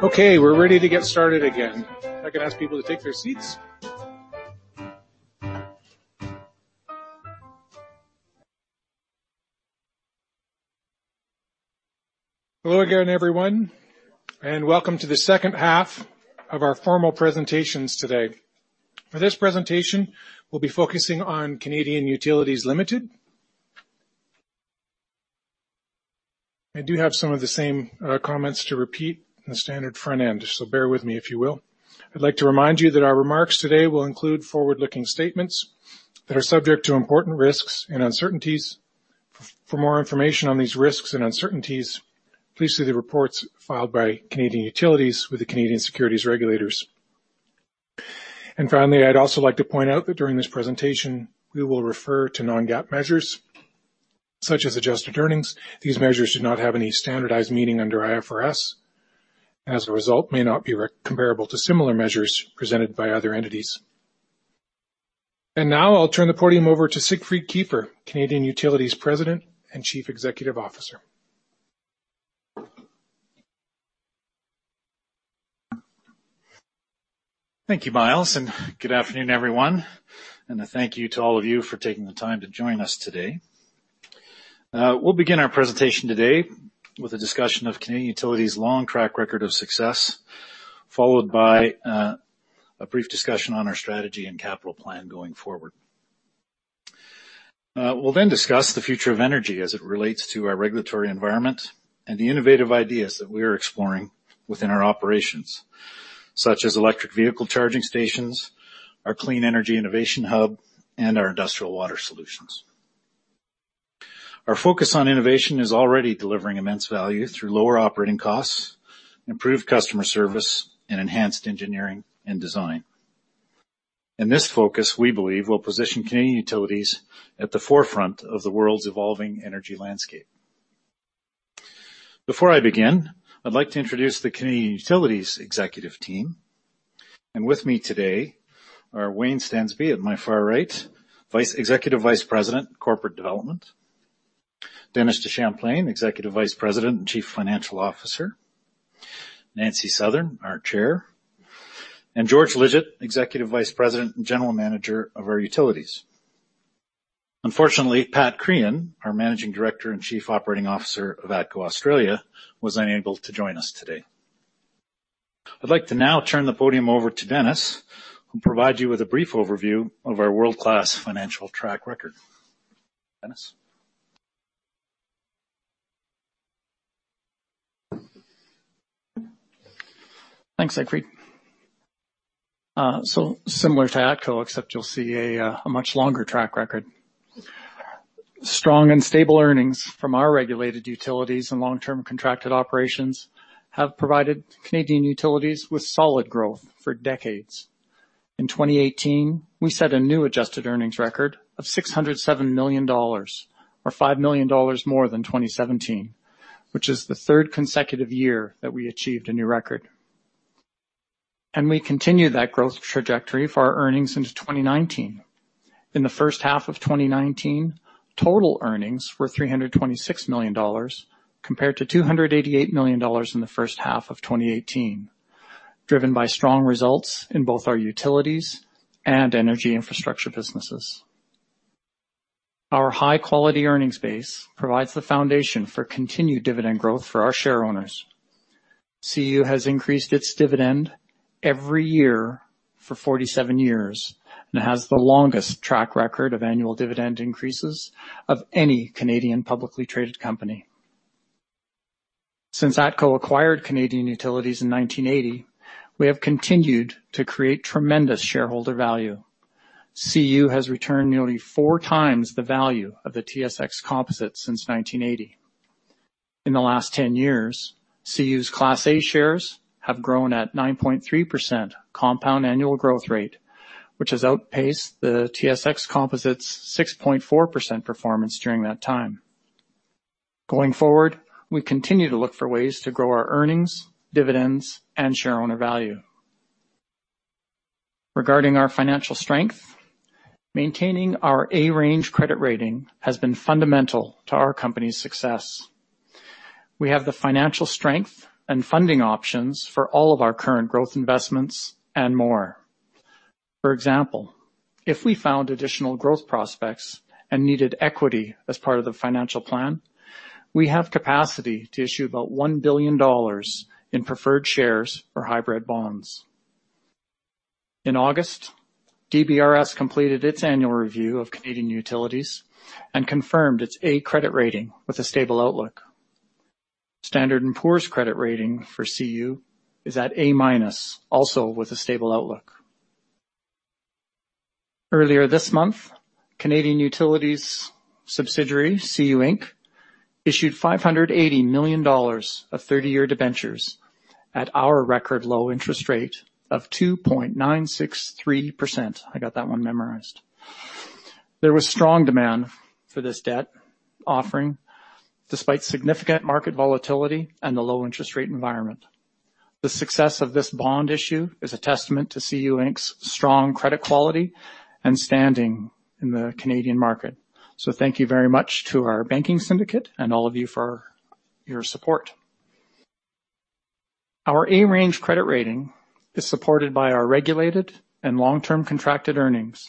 We're ready to get started again. If I could ask people to take their seats. Hello again, everyone, welcome to the second half of our formal presentations today. For this presentation, we'll be focusing on Canadian Utilities Limited. I do have some of the same comments to repeat in the standard front end, bear with me if you will. I'd like to remind you that our remarks today will include forward-looking statements that are subject to important risks and uncertainties. For more information on these risks and uncertainties, please see the reports filed by Canadian Utilities with the Canadian securities regulators. Finally, I'd also like to point out that during this presentation, we will refer to non-GAAP measures such as adjusted earnings. These measures do not have any standardized meaning under IFRS, and as a result may not be comparable to similar measures presented by other entities. Now I'll turn the podium over to Siegfried Kiefer, Canadian Utilities President and Chief Executive Officer. Thank you, Myles, and good afternoon, everyone, and thank you to all of you for taking the time to join us today. We'll begin our presentation today with a discussion of Canadian Utilities' long track record of success, followed by a brief discussion on our strategy and capital plan going forward. We'll discuss the future of energy as it relates to our regulatory environment and the innovative ideas that we are exploring within our operations, such as electric vehicle charging stations, our Clean Energy Innovation Hub, and our industrial water solutions. Our focus on innovation is already delivering immense value through lower operating costs, improved customer service, and enhanced engineering and design. This focus, we believe, will position Canadian Utilities at the forefront of the world's evolving energy landscape. Before I begin, I'd like to introduce the Canadian Utilities executive team, and with me today are Wayne Stensby at my far right, Executive Vice President, Corporate Development. Dennis DeChamplain, Executive Vice President and Chief Financial Officer. Nancy Southern, our Chair, and George Lidgett, Executive Vice President and General Manager of our utilities. Unfortunately, Pat Crean, our Managing Director and Chief Operating Officer of ATCO Australia, was unable to join us today. I'd like to now turn the podium over to Dennis, who'll provide you with a brief overview of our world-class financial track record. Dennis. Thanks, Siegfried. Similar to ATCO, except you'll see a much longer track record. Strong and stable earnings from our regulated utilities and long-term contracted operations have provided Canadian Utilities with solid growth for decades. In 2018, we set a new adjusted earnings record of 607 million dollars, or 5 million dollars more than 2017, which is the third consecutive year that we achieved a new record. We continue that growth trajectory for our earnings into 2019. In the first half of 2019, total earnings were 326 million dollars compared to 288 million dollars in the first half of 2018, driven by strong results in both our utilities and energy infrastructure businesses. Our high-quality earnings base provides the foundation for continued dividend growth for our share owners. CU has increased its dividend every year for 47 years and has the longest track record of annual dividend increases of any Canadian publicly traded company. Since ATCO acquired Canadian Utilities in 1980, we have continued to create tremendous shareholder value. CU has returned nearly 4 times the value of the TSX Composite since 1980. In the last 10 years, CU's Class A shares have grown at 9.3% compound annual growth rate, which has outpaced the TSX Composite's 6.4% performance during that time. Going forward, we continue to look for ways to grow our earnings, dividends, and share owner value. Regarding our financial strength, maintaining our A-range credit rating has been fundamental to our company's success. We have the financial strength and funding options for all of our current growth investments and more. For example, if we found additional growth prospects and needed equity as part of the financial plan, we have capacity to issue about 1 billion dollars in preferred shares or hybrid bonds. In August, DBRS completed its annual review of Canadian Utilities and confirmed its A credit rating with a stable outlook. Standard & Poor's credit rating for CU is at A-minus, also with a stable outlook. Earlier this month, Canadian Utilities subsidiary, CU Inc., issued 580 million dollars of 30-year debentures at our record low interest rate of 2.963%. I got that one memorized. There was strong demand for this debt offering despite significant market volatility and the low interest rate environment. The success of this bond issue is a testament to CU Inc.'s strong credit quality and standing in the Canadian market. Thank you very much to our banking syndicate and all of you for your support. Our A-range credit rating is supported by our regulated and long-term contracted earnings.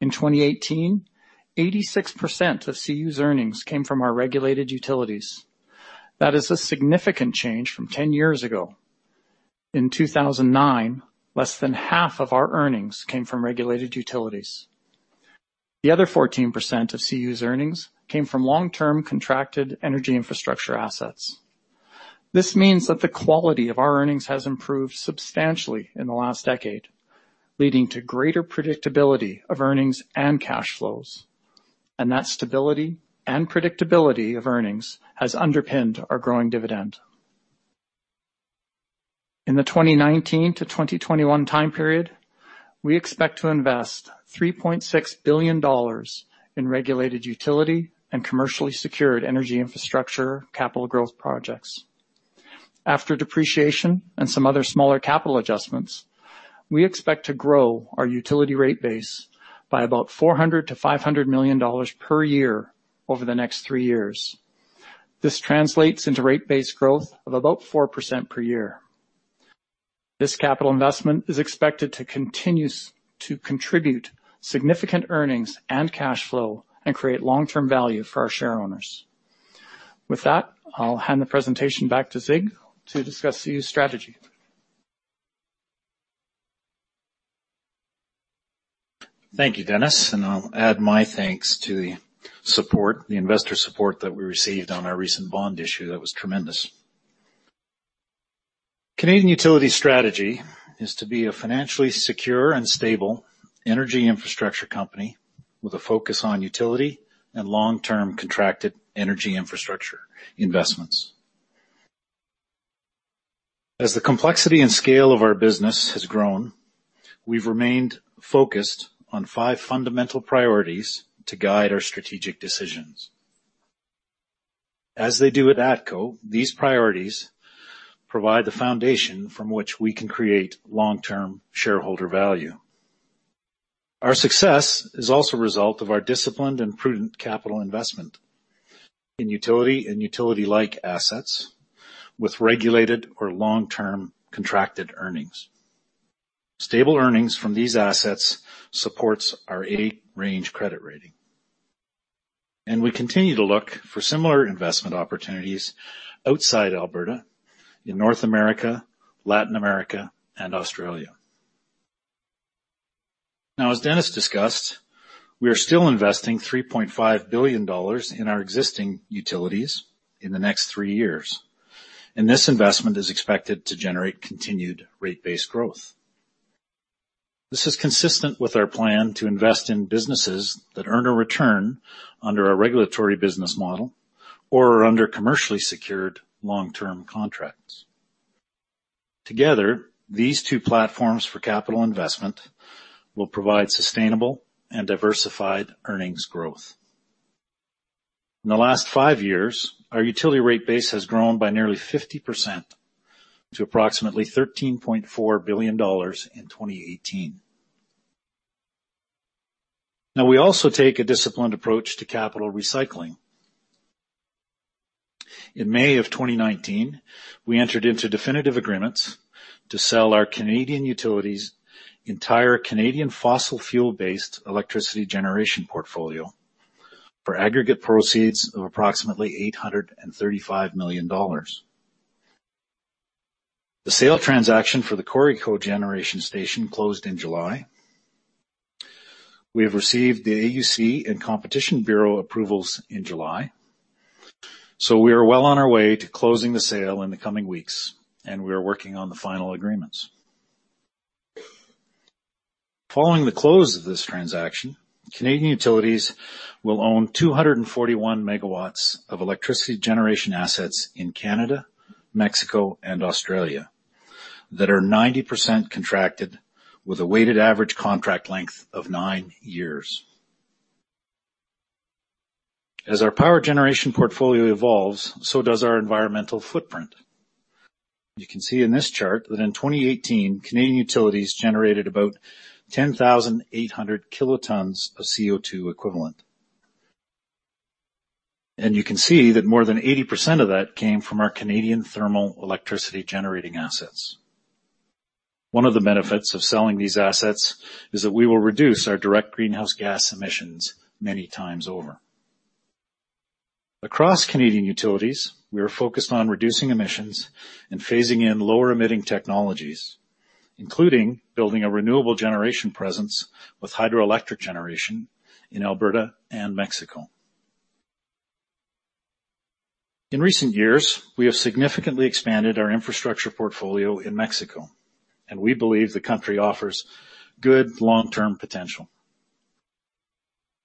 In 2018, 86% of CU's earnings came from our regulated utilities. That is a significant change from 10 years ago. In 2009, less than half of our earnings came from regulated utilities. The other 14% of CU's earnings came from long-term contracted energy infrastructure assets. This means that the quality of our earnings has improved substantially in the last decade, leading to greater predictability of earnings and cash flows. That stability and predictability of earnings has underpinned our growing dividend. In the 2019 to 2021 time period, we expect to invest 3.6 billion dollars in regulated utility and commercially secured energy infrastructure, capital growth projects. After depreciation and some other smaller capital adjustments, we expect to grow our utility rate base by about 400 million-500 million dollars per year over the next three years. This translates into rate base growth of about 4% per year. This capital investment is expected to continue to contribute significant earnings and cash flow and create long-term value for our share owners. With that, I'll hand the presentation back to Sieg to discuss CU's strategy. Thank you, Dennis, and I'll add my thanks to the investor support that we received on our recent bond issue. That was tremendous. Canadian Utilities' strategy is to be a financially secure and stable energy infrastructure company with a focus on utility and long-term contracted energy infrastructure investments. As the complexity and scale of our business has grown, we've remained focused on five fundamental priorities to guide our strategic decisions. As they do at ATCO, these priorities provide the foundation from which we can create long-term shareholder value. Our success is also a result of our disciplined and prudent capital investment in utility and utility-like assets with regulated or long-term contracted earnings. Stable earnings from these assets supports our A-range credit rating, and we continue to look for similar investment opportunities outside Alberta in North America, Latin America, and Australia. As Dennis discussed, we are still investing 3.5 billion dollars in our existing utilities in the next three years, this investment is expected to generate continued rate-based growth. This is consistent with our plan to invest in businesses that earn a return under a regulatory business model or are under commercially secured long-term contracts. Together, these two platforms for capital investment will provide sustainable and diversified earnings growth. In the last five years, our utility rate base has grown by nearly 50% to approximately 13.4 billion dollars in 2018. We also take a disciplined approach to capital recycling. In May of 2019, we entered into definitive agreements to sell our Canadian Utilities' entire Canadian fossil fuel-based electricity generation portfolio for aggregate proceeds of approximately 835 million dollars. The sale transaction for the Cory Cogeneration station closed in July. We have received the AUC and Competition Bureau approvals in July. We are well on our way to closing the sale in the coming weeks, and we are working on the final agreements. Following the close of this transaction, Canadian Utilities will own 241 megawatts of electricity generation assets in Canada, Mexico, and Australia that are 90% contracted with a weighted average contract length of nine years. As our power generation portfolio evolves, so does our environmental footprint. You can see in this chart that in 2018, Canadian Utilities generated about 10,800 kilotons of CO2 equivalent. You can see that more than 80% of that came from our Canadian thermal electricity generating assets. One of the benefits of selling these assets is that we will reduce our direct greenhouse gas emissions many times over. Across Canadian Utilities, we are focused on reducing emissions and phasing in lower-emitting technologies, including building a renewable generation presence with hydroelectric generation in Alberta and Mexico. In recent years, we have significantly expanded our infrastructure portfolio in Mexico. We believe the country offers good long-term potential.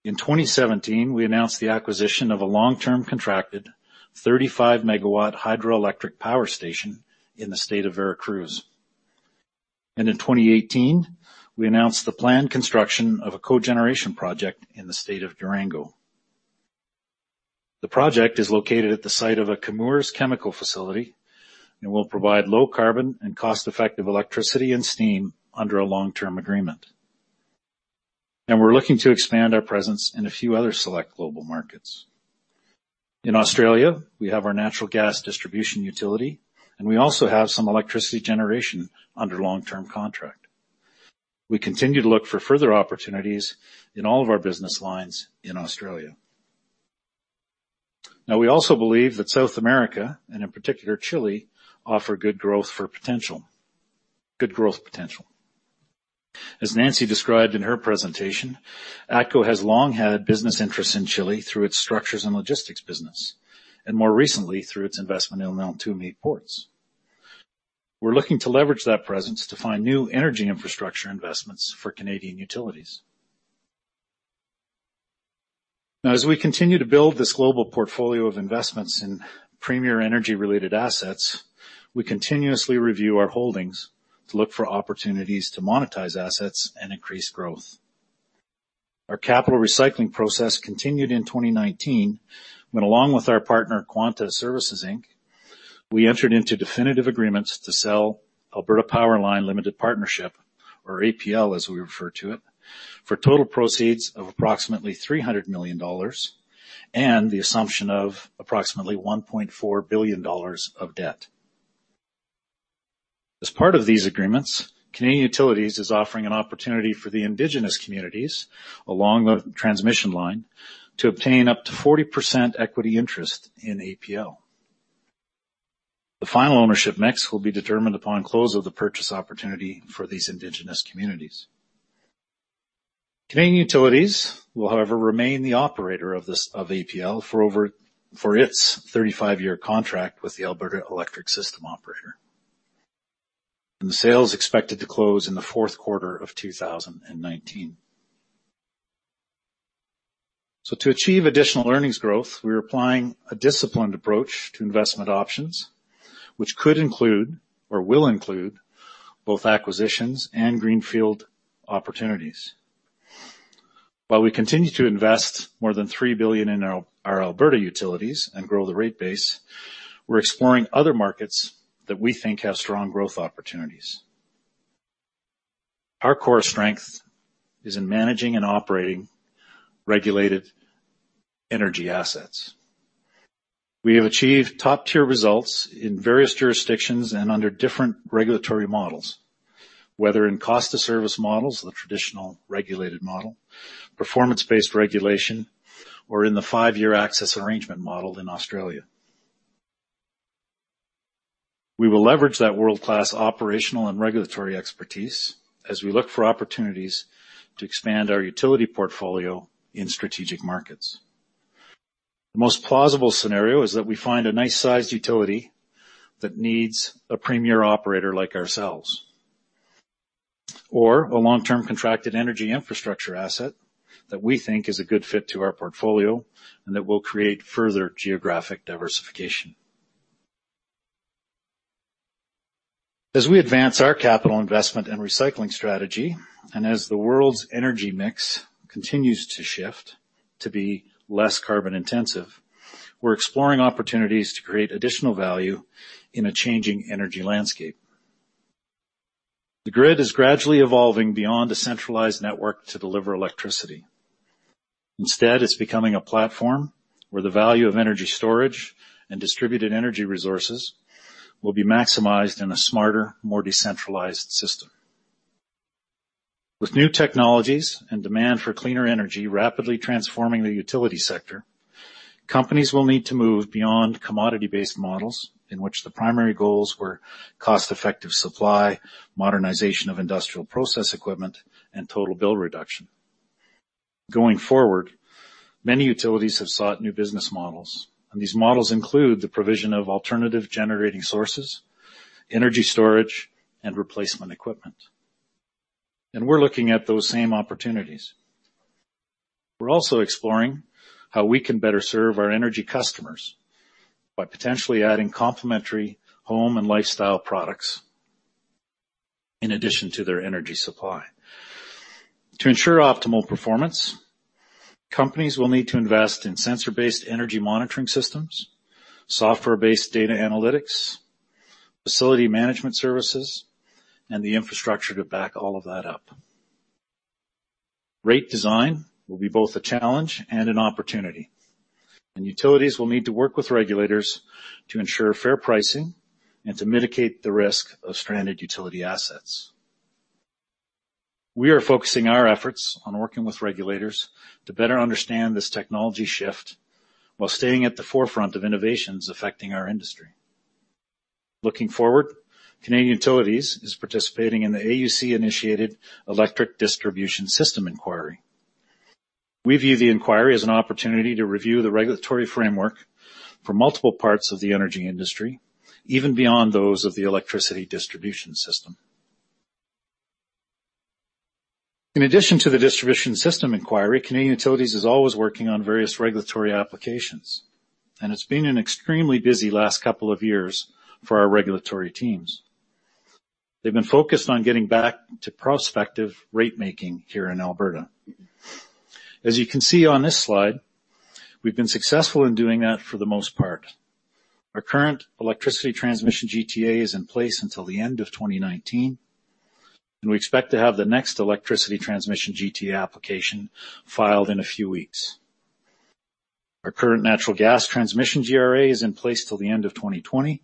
In 2017, we announced the acquisition of a long-term contracted 35-megawatt hydroelectric power station in the state of Veracruz. In 2018, we announced the planned construction of a cogeneration project in the state of Durango. The project is located at the site of a Chemours chemical facility and will provide low carbon and cost-effective electricity and steam under a long-term agreement. We're looking to expand our presence in a few other select global markets. In Australia, we have our natural gas distribution utility, and we also have some electricity generation under long-term contract. We continue to look for further opportunities in all of our business lines in Australia. We also believe that South America, and in particular Chile, offer good growth potential. As Nancy described in her presentation, ATCO has long had business interests in Chile through its structures and logistics business, and more recently, through its investment in Neltume Ports. We're looking to leverage that presence to find new energy infrastructure investments for Canadian Utilities. As we continue to build this global portfolio of investments in premier energy-related assets, we continuously review our holdings to look for opportunities to monetize assets and increase growth. Our capital recycling process continued in 2019, when along with our partner Quanta Services, Inc., we entered into definitive agreements to sell Alberta PowerLine Limited Partnership, or APL, as we refer to it, for total proceeds of approximately 300 million dollars and the assumption of approximately 1.4 billion dollars of debt. As part of these agreements, Canadian Utilities is offering an opportunity for the indigenous communities along the transmission line to obtain up to 40% equity interest in APL. The final ownership mix will be determined upon close of the purchase opportunity for these indigenous communities. Canadian Utilities will, however, remain the operator of APL for its 35-year contract with the Alberta Electric System Operator. The sale is expected to close in the fourth quarter of 2019. To achieve additional earnings growth, we're applying a disciplined approach to investment options, which could include or will include both acquisitions and greenfield opportunities. While we continue to invest more than 3 billion in our Alberta utilities and grow the rate base, we're exploring other markets that we think have strong growth opportunities. Our core strength is in managing and operating regulated energy assets. We have achieved top-tier results in various jurisdictions and under different regulatory models, whether in cost-of-service models, the traditional regulated model, performance-based regulation, or in the five-year access arrangement model in Australia. We will leverage that world-class operational and regulatory expertise as we look for opportunities to expand our utility portfolio in strategic markets. The most plausible scenario is that we find a nice-sized utility that needs a premier operator like ourselves, or a long-term contracted energy infrastructure asset that we think is a good fit to our portfolio and that will create further geographic diversification. As we advance our capital investment and recycling strategy, and as the world's energy mix continues to shift to be less carbon-intensive, we're exploring opportunities to create additional value in a changing energy landscape. The grid is gradually evolving beyond a centralized network to deliver electricity. Instead, it's becoming a platform where the value of energy storage and distributed energy resources will be maximized in a smarter, more decentralized system. With new technologies and demand for cleaner energy rapidly transforming the utility sector, companies will need to move beyond commodity-based models in which the primary goals were cost-effective supply, modernization of industrial process equipment, and total bill reduction. Going forward, many utilities have sought new business models, these models include the provision of alternative generating sources, energy storage, and replacement equipment. We're looking at those same opportunities. We're also exploring how we can better serve our energy customers by potentially adding complementary home and lifestyle products in addition to their energy supply. To ensure optimal performance, companies will need to invest in sensor-based energy monitoring systems, software-based data analytics, facility management services, and the infrastructure to back all of that up. Rate design will be both a challenge and an opportunity, utilities will need to work with regulators to ensure fair pricing and to mitigate the risk of stranded utility assets. We are focusing our efforts on working with regulators to better understand this technology shift while staying at the forefront of innovations affecting our industry. Looking forward, Canadian Utilities is participating in the AUC-initiated Distribution System Inquiry. We view the inquiry as an opportunity to review the regulatory framework for multiple parts of the energy industry, even beyond those of the electricity distribution system. In addition to the Distribution System Inquiry, Canadian Utilities is always working on various regulatory applications, and it's been an extremely busy last couple of years for our regulatory teams. They've been focused on getting back to prospective rate-making here in Alberta. As you can see on this slide, we've been successful in doing that for the most part. Our current electricity transmission GTA is in place until the end of 2019, and we expect to have the next electricity transmission GTA application filed in a few weeks. Our current natural gas transmission GRA is in place till the end of 2020,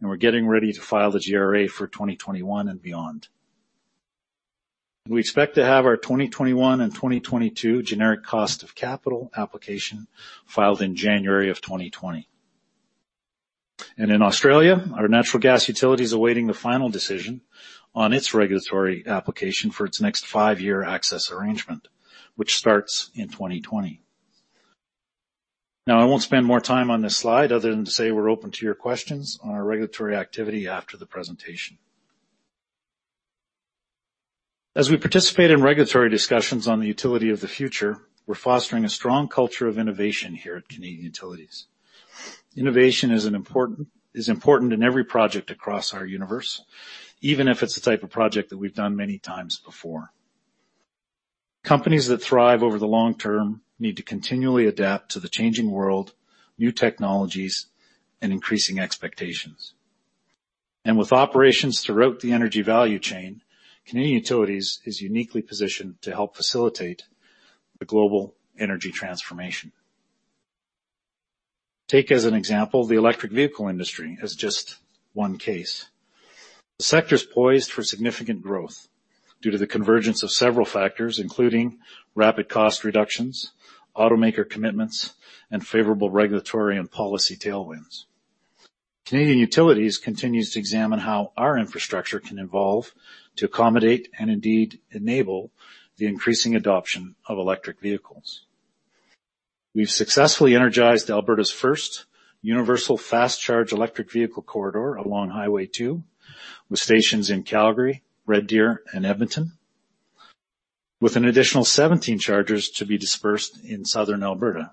and we're getting ready to file the GRA for 2021 and beyond. We expect to have our 2021 and 2022 generic cost of capital application filed in January of 2020. In Australia, our natural gas utility is awaiting the final decision on its regulatory application for its next five-year access arrangement, which starts in 2020. Now, I won't spend more time on this slide other than to say we're open to your questions on our regulatory activity after the presentation. As we participate in regulatory discussions on the utility of the future, we're fostering a strong culture of innovation here at Canadian Utilities. Innovation is important in every project across our universe, even if it's the type of project that we've done many times before. Companies that thrive over the long term need to continually adapt to the changing world, new technologies, and increasing expectations. With operations throughout the energy value chain, Canadian Utilities is uniquely positioned to help facilitate the global energy transformation. Take as an example, the electric vehicle industry as just one case. The sector is poised for significant growth due to the convergence of several factors, including rapid cost reductions, automaker commitments, and favorable regulatory and policy tailwinds. Canadian Utilities continues to examine how our infrastructure can evolve to accommodate and indeed enable the increasing adoption of electric vehicles. We've successfully energized Alberta's first universal fast-charge electric vehicle corridor along Highway two with stations in Calgary, Red Deer, and Edmonton, with an additional 17 chargers to be dispersed in Southern Alberta.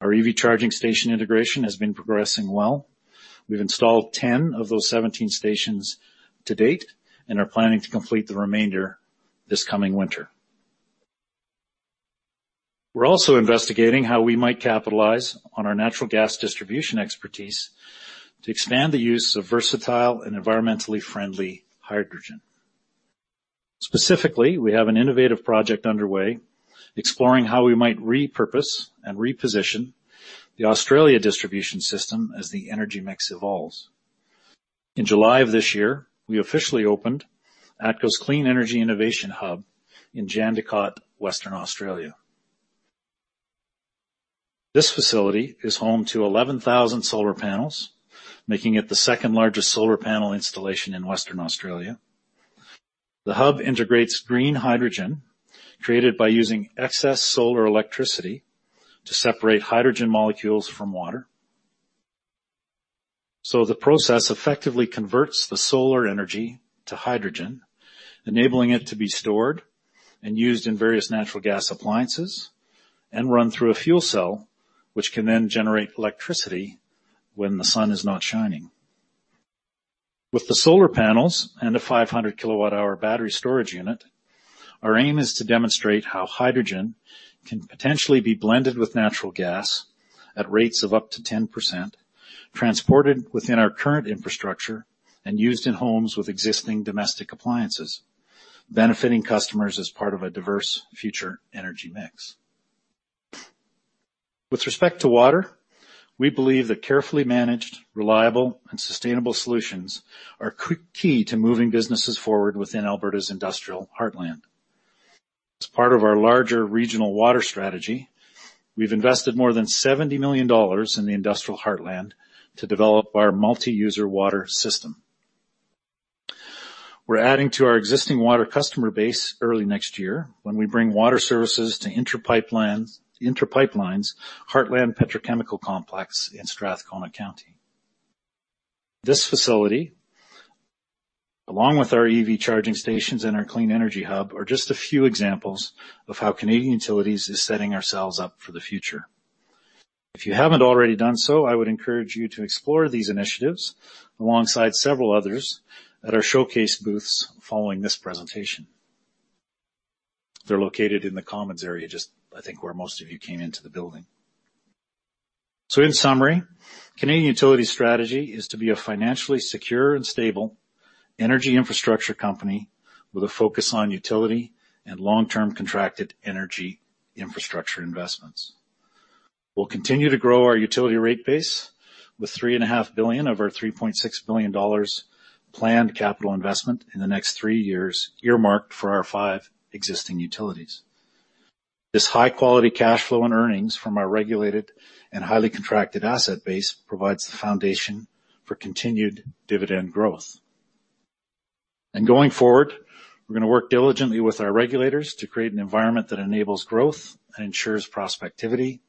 Our EV charging station integration has been progressing well. We've installed 10 of those 17 stations to date and are planning to complete the remainder this coming winter. We're also investigating how we might capitalize on our natural gas distribution expertise to expand the use of versatile and environmentally friendly hydrogen. Specifically, we have an innovative project underway exploring how we might repurpose and reposition the Australia distribution system as the energy mix evolves. In July of this year, we officially opened ATCO's Clean Energy Innovation Hub in Jandakot, Western Australia. This facility is home to 11,000 solar panels, making it the second-largest solar panel installation in Western Australia. The hub integrates green hydrogen, created by using excess solar electricity to separate hydrogen molecules from water. The process effectively converts the solar energy to hydrogen, enabling it to be stored and used in various natural gas appliances and run through a fuel cell, which can then generate electricity when the sun is not shining. With the solar panels and a 500-kilowatt hour battery storage unit, our aim is to demonstrate how hydrogen can potentially be blended with natural gas at rates of up to 10%, transported within our current infrastructure, and used in homes with existing domestic appliances, benefiting customers as part of a diverse future energy mix. With respect to water, we believe that carefully managed, reliable, and sustainable solutions are key to moving businesses forward within Alberta's industrial heartland. As part of our larger regional water strategy, we've invested more than 70 million dollars in the industrial heartland to develop our multi-user water system. We're adding to our existing water customer base early next year when we bring water services to Inter Pipeline's Heartland Petrochemical Complex in Strathcona County. This facility, along with our EV charging stations and our Clean Energy Innovation Hub, are just a few examples of how Canadian Utilities is setting ourselves up for the future. If you haven't already done so, I would encourage you to explore these initiatives alongside several others at our showcase booths following this presentation. They're located in the commons area, just, I think, where most of you came into the building. In summary, Canadian Utilities' strategy is to be a financially secure and stable energy infrastructure company with a focus on utility and long-term contracted energy infrastructure investments. We'll continue to grow our utility rate base with three and a half billion of our 3.6 billion dollars planned capital investment in the next three years, earmarked for our five existing utilities. This high-quality cash flow and earnings from our regulated and highly contracted asset base provides the foundation for continued dividend growth. Going forward, we're going to work diligently with our regulators to create an environment that enables growth and ensures prospectivity,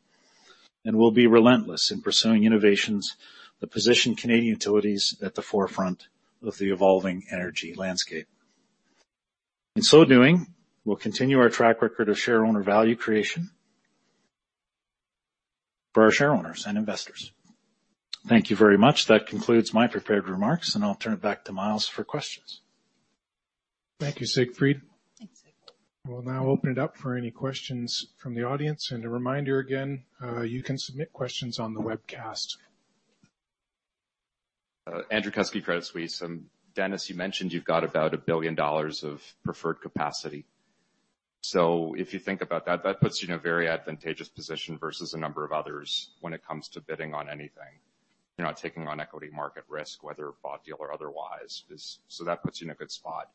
and we'll be relentless in pursuing innovations that position Canadian Utilities at the forefront of the evolving energy landscape. In so doing, we'll continue our track record of shareowner value creation for our shareowners and investors. Thank you very much. That concludes my prepared remarks, and I'll turn it back to Myles for questions. Thank you, Siegfried. Thanks, Siegfried. We'll now open it up for any questions from the audience. A reminder again, you can submit questions on the webcast. Andrew Kuske, Credit Suisse. Dennis, you mentioned you've got about 1 billion dollars of preferred capacity. If you think about that puts you in a very advantageous position versus a number of others when it comes to bidding on anything. You're not taking on equity market risk, whether bought deal or otherwise, so that puts you in a good spot.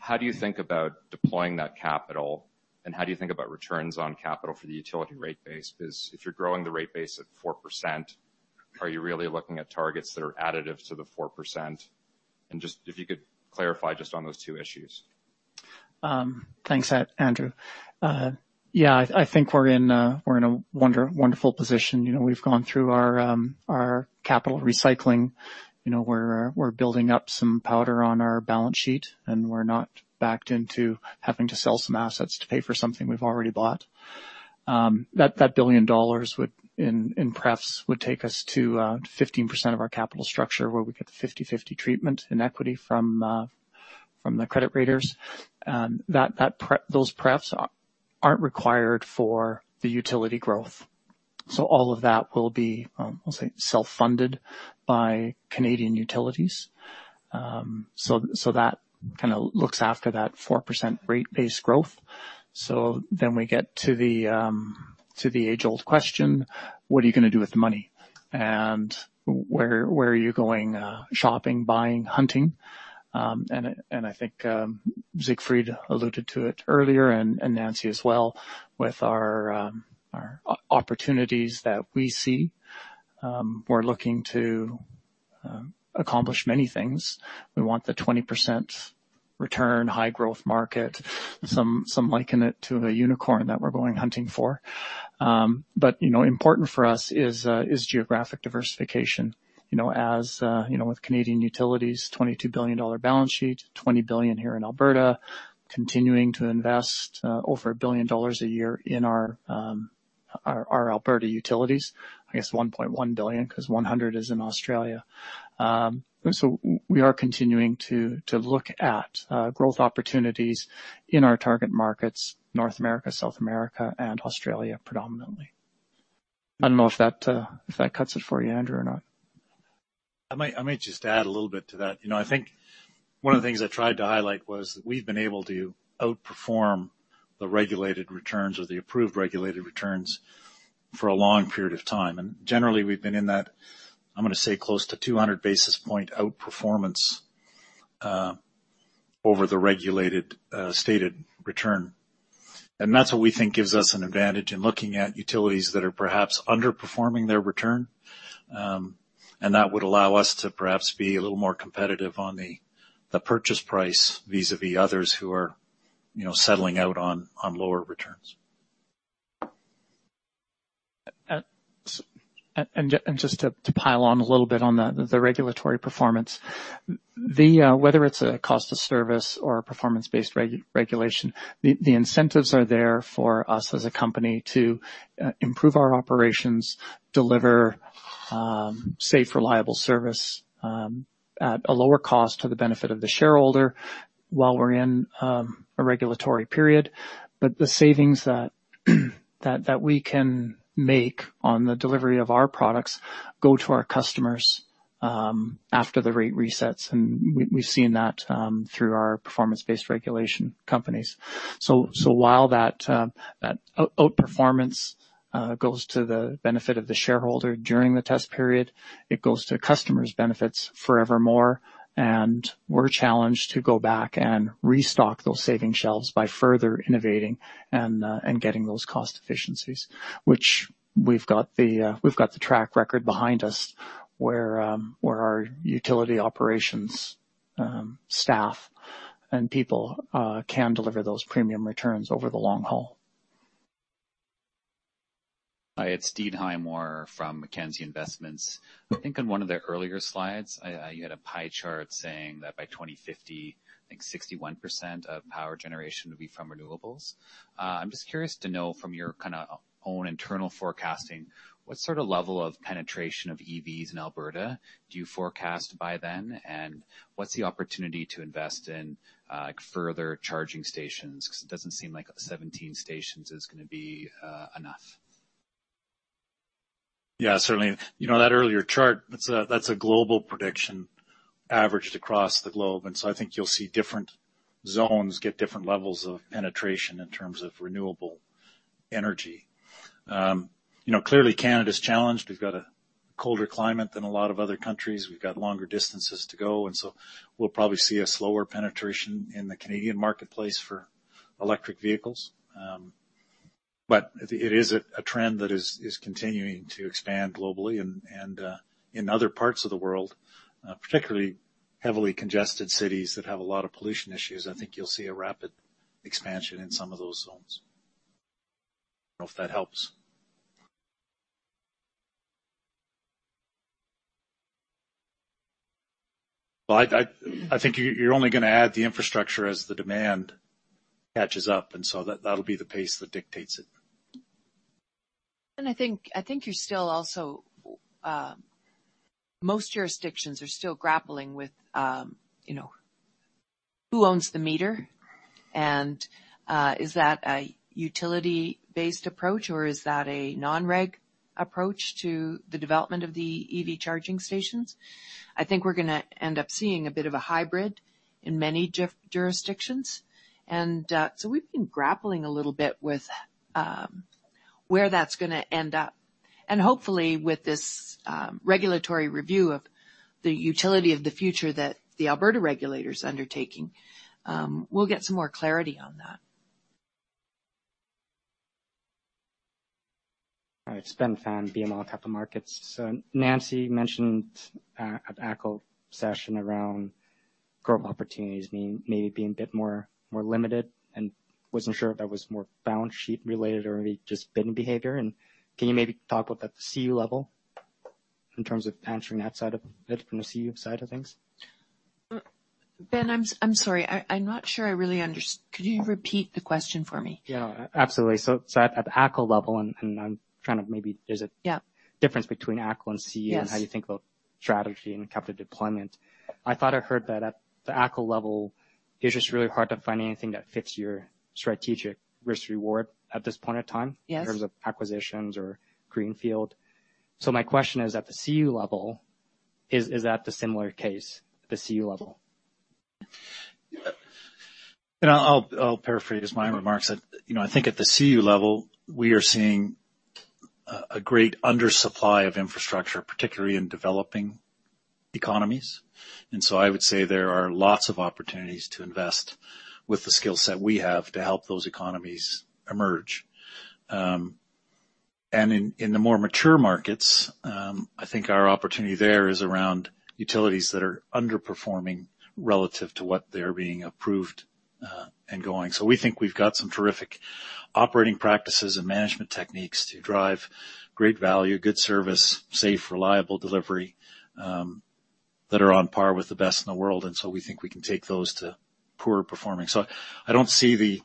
How do you think about deploying that capital, and how do you think about returns on capital for the utility rate base? Because if you're growing the rate base at 4%, are you really looking at targets that are additive to the 4%? If you could clarify just on those two issues. Thanks, Andrew. Yeah, I think we're in a wonderful position. We've gone through our capital recycling. We're building up some powder on our balance sheet, and we're not backed into having to sell some assets to pay for something we've already bought. That 1 billion dollars in pref would take us to 15% of our capital structure, where we get the 50/50 treatment in equity from the credit raters. Those prefs aren't required for the utility growth. All of that will be, I'll say, self-funded by Canadian Utilities. That kind of looks after that 4% rate base growth. We get to the age-old question: What are you going to do with the money? Where are you going shopping, buying, hunting? I think Siegfried alluded to it earlier, and Nancy as well, with our opportunities that we see. We're looking to accomplish many things. We want the 20% return, high-growth market. Some liken it to a unicorn that we're going hunting for. Important for us is geographic diversification. As with Canadian Utilities' CAD 22 billion balance sheet, CAD 20 billion here in Alberta, continuing to invest over 1 billion dollars a year in our Alberta utilities. I guess 1.1 billion, because 100 is in Australia. We are continuing to look at growth opportunities in our target markets, North America, South America, and Australia, predominantly. I don't know if that cuts it for you, Andrew, or not. I might just add a little bit to that. I think one of the things I tried to highlight was that we've been able to outperform the regulated returns or the approved regulated returns for a long period of time. Generally, we've been in that, I'm going to say, close to 200 basis point outperformance over the regulated stated return. That's what we think gives us an advantage in looking at utilities that are perhaps underperforming their return. That would allow us to perhaps be a little more competitive on the purchase price vis-a-vis others who are settling out on lower returns. Just to pile on a little bit on the regulatory performance, whether it's a cost-of-service or a performance-based regulation, the incentives are there for us as a company to improve our operations, deliver safe, reliable service at a lower cost to the benefit of the shareholder while we're in a regulatory period. The savings that we can make on the delivery of our products go to our customers after the rate resets, and we've seen that through our performance-based regulation companies. While that outperformance goes to the benefit of the shareholder during the test period, it goes to customers' benefits forevermore, and we're challenged to go back and restock those saving shelves by further innovating and getting those cost efficiencies. Which we've got the track record behind us where our utility operations staff and people can deliver those premium returns over the long haul. Hi, it's Steve Highmore from Mackenzie Investments. I think in one of the earlier slides, you had a pie chart saying that by 2050, I think 61% of power generation would be from renewables. I'm just curious to know from your kind of own internal forecasting, what sort of level of penetration of EVs in Alberta do you forecast by then, and what's the opportunity to invest in further charging stations? It doesn't seem like 17 stations is going to be enough. Yeah, certainly. That earlier chart, that's a global prediction averaged across the globe. I think you'll see different zones get different levels of penetration in terms of renewable energy. Clearly, Canada's challenged. We've got a colder climate than a lot of other countries. We've got longer distances to go, and so we'll probably see a slower penetration in the Canadian marketplace for electric vehicles. It is a trend that is continuing to expand globally and in other parts of the world, particularly heavily congested cities that have a lot of pollution issues. I think you'll see a rapid expansion in some of those zones. I don't know if that helps. I think you're only going to add the infrastructure as the demand catches up, and so that'll be the pace that dictates it. Most jurisdictions are still grappling with who owns the meter, and is that a utility-based approach or is that a non-reg approach to the development of the EV charging stations? I think we're going to end up seeing a bit of a hybrid in many jurisdictions. We've been grappling a little bit with where that's going to end up. Hopefully, with this regulatory review of the Utility of the Future that the Alberta regulator is undertaking, we'll get some more clarity on that. All right. It's Ben Pham, BMO Capital Markets. Nancy mentioned at ATCO session around growth opportunities maybe being a bit more limited, and wasn't sure if that was more balance sheet related or just bidding behavior. Can you maybe talk about the CU level in terms of answering that side of it from the CU side of things? Ben, I'm sorry. I'm not sure I really understood. Could you repeat the question for me? Yeah, absolutely. At the ATCO level. Yeah difference between ATCO and CU- Yes How you think about strategy and capital deployment. I thought I heard that at the ATCO level, it's just really hard to find anything that fits your strategic risk-reward at this point of time. Yes in terms of acquisitions or greenfield. My question is, at the CU level, is that the similar case at the CU level? I'll paraphrase my remarks that I think at the CU level, we are seeing a great undersupply of infrastructure, particularly in developing economies. I would say there are lots of opportunities to invest with the skill set we have to help those economies emerge. In the more mature markets, I think our opportunity there is around utilities that are underperforming relative to what they are being approved and going. We think we've got some terrific operating practices and management techniques to drive great value, good service, safe, reliable delivery, that are on par with the best in the world. We think we can take those to poorer performing. I don't see the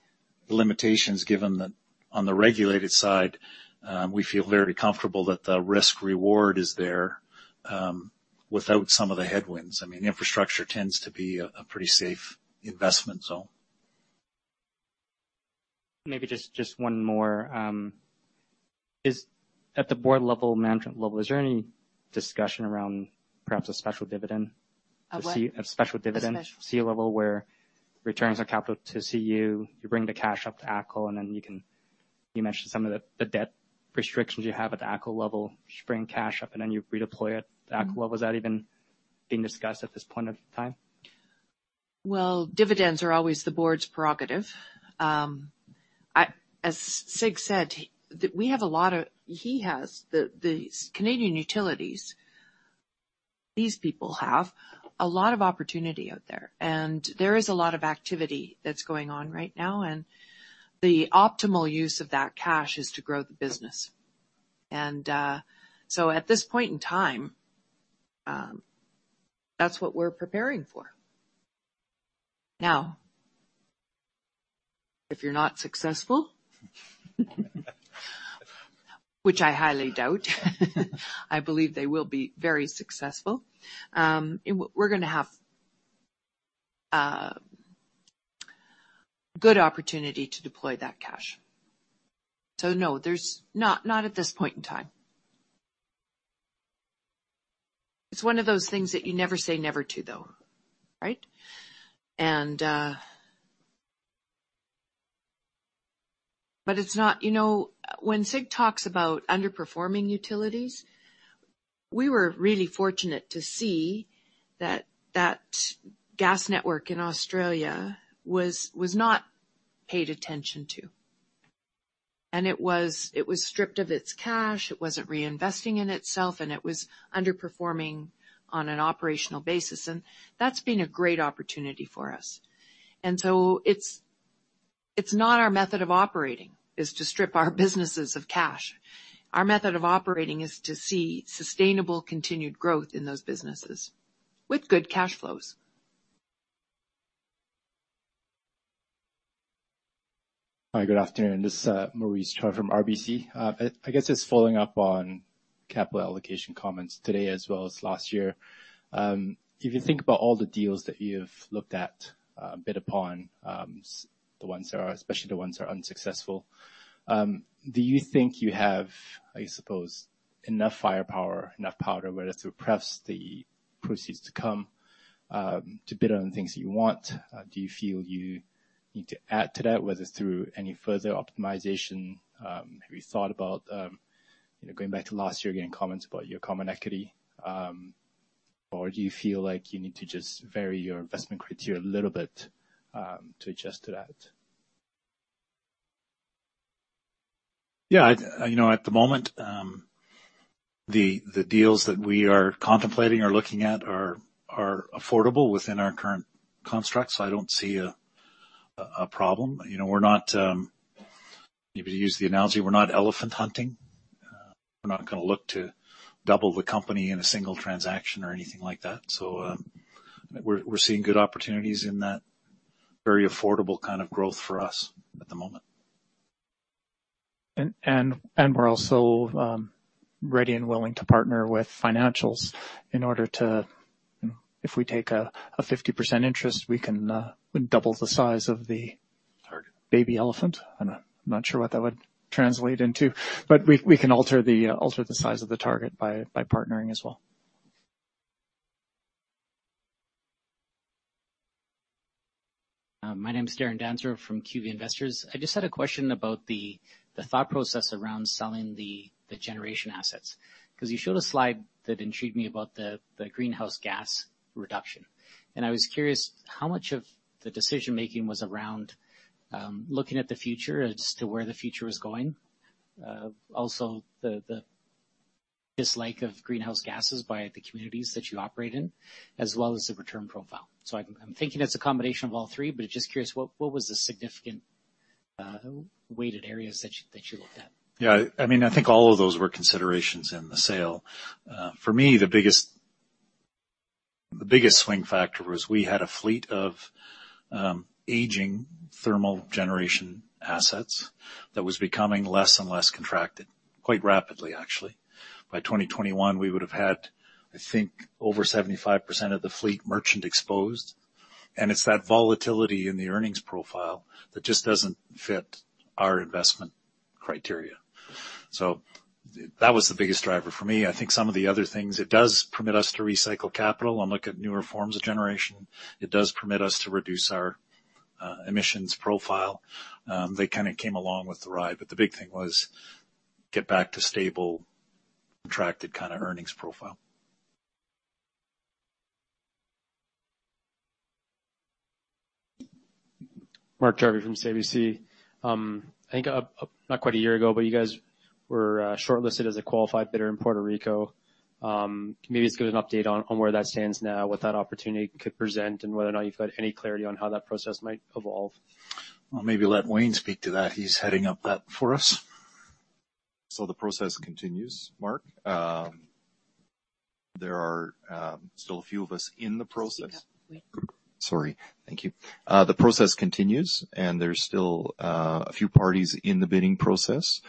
limitations given that on the regulated side, we feel very comfortable that the risk-reward is there without some of the headwinds. Infrastructure tends to be a pretty safe investment zone. Maybe just one more. At the board level, management level, is there any discussion around perhaps a special dividend? A what? A special dividend- A special- CU level where returns on capital to CU, you bring the cash up to ATCO, you mentioned some of the debt restrictions you have at the ATCO level, just bring cash up and then you redeploy it to ATCO. Was that even being discussed at this point of time? Well, dividends are always the board's prerogative. As Sig said, the Canadian Utilities, these people have a lot of opportunity out there, and there is a lot of activity that's going on right now. The optimal use of that cash is to grow the business. At this point in time, that's what we're preparing for. Now, if you're not successful, which I highly doubt, I believe they will be very successful. We're going to have a good opportunity to deploy that cash. No, not at this point in time. It's one of those things that you never say never to, though, right? When Sig talks about underperforming utilities, we were really fortunate to see that that gas network in Australia was not paid attention to. It was stripped of its cash. It wasn't reinvesting in itself, and it was underperforming on an operational basis. That's been a great opportunity for us. It's not our method of operating, is to strip our businesses of cash. Our method of operating is to see sustainable, continued growth in those businesses with good cash flows. Hi, good afternoon. This is Maurice Choy from RBC. I guess just following up on capital allocation comments today as well as last year. If you think about all the deals that you have looked at, bid upon, especially the ones that are unsuccessful. Do you think you have, I suppose, enough firepower, enough powder, whether through pref the proceeds to come, to bid on things that you want? Do you feel you need to add to that, whether through any further optimization? Have you thought about going back to last year, again, comments about your common equity? Do you feel like you need to just vary your investment criteria a little bit, to adjust to that? At the moment, the deals that we are contemplating or looking at are affordable within our current constructs. I don't see a problem. We're not, maybe to use the analogy, we're not elephant hunting. We're not going to look to double the company in a single transaction or anything like that. We're seeing good opportunities in that very affordable kind of growth for us at the moment. We're also ready and willing to partner with financials. If we take a 50% interest, we can double the size. Target baby elephant. I'm not sure what that would translate into, but we can alter the size of the target by partnering as well. My name is Darren Dasko from QV Investors. I just had a question about the thought process around selling the generation assets. You showed a slide that intrigued me about the greenhouse gas reduction. I was curious how much of the decision-making was around, looking at the future as to where the future was going. Also the dislike of greenhouse gases by the communities that you operate in, as well as the return profile. I'm thinking it's a combination of all three, but just curious, what was the significant weighted areas that you looked at? Yeah, I think all of those were considerations in the sale. For me, the biggest swing factor was we had a fleet of aging thermal generation assets that was becoming less and less contracted, quite rapidly, actually. By 2021, we would have had, I think, over 75% of the fleet merchant exposed. It's that volatility in the earnings profile that just doesn't fit our investment criteria. That was the biggest driver for me. I think some of the other things, it does permit us to recycle capital and look at newer forms of generation. It does permit us to reduce our emissions profile. They kind of came along with the ride, the big thing was get back to stable, contracted kind of earnings profile. Mark Jarvi from CIBC. I think not quite a year ago, but you guys were shortlisted as a qualified bidder in Puerto Rico. Maybe just give an update on where that stands now, what that opportunity could present, and whether or not you've had any clarity on how that process might evolve. I'll maybe let Wayne speak to that. He's heading up that for us. The process continues, Mark. There are still a few of us in the process. Speak up, Wayne. Sorry. Thank you. The process continues, and there is still a few parties in the bidding process.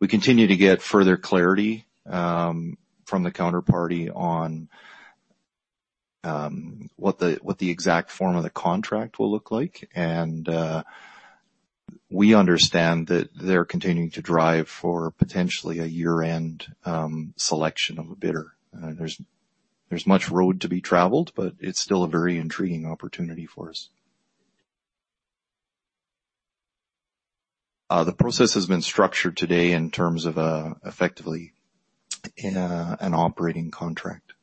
We continue to get further clarity from the counterparty on what the exact form of the contract will look like. We understand that they are continuing to drive for potentially a year-end selection of a bidder. There is much road to be traveled, but it is still a very intriguing opportunity for us. The process has been structured today in terms of effectively in an operating contract.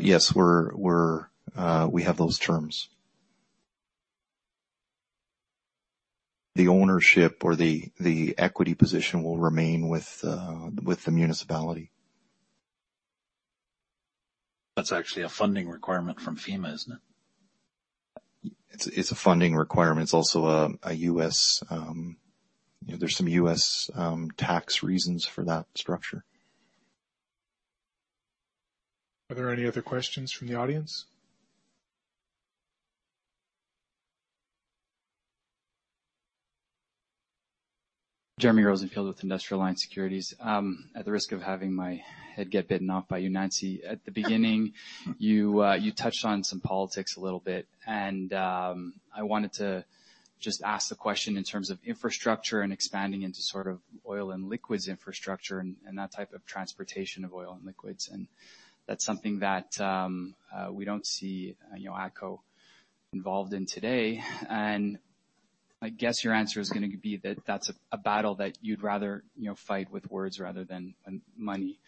Yes, we have those terms. The ownership or the equity position will remain with the municipality. That's actually a funding requirement from FEMA, isn't it? It's a funding requirement. It's also there's some U.S. tax reasons for that structure. Are there any other questions from the audience? Jeremy Rosenfield with Industrial Alliance Securities. At the risk of having my head get bitten off by you, Nancy, at the beginning, you touched on some politics a little bit. I wanted to just ask the question in terms of infrastructure and expanding into sort of oil and liquids infrastructure and that type of transportation of oil and liquids. That's something that we don't see ATCO involved in today. I guess your answer is going to be that that's a battle that you'd rather fight with words rather than money.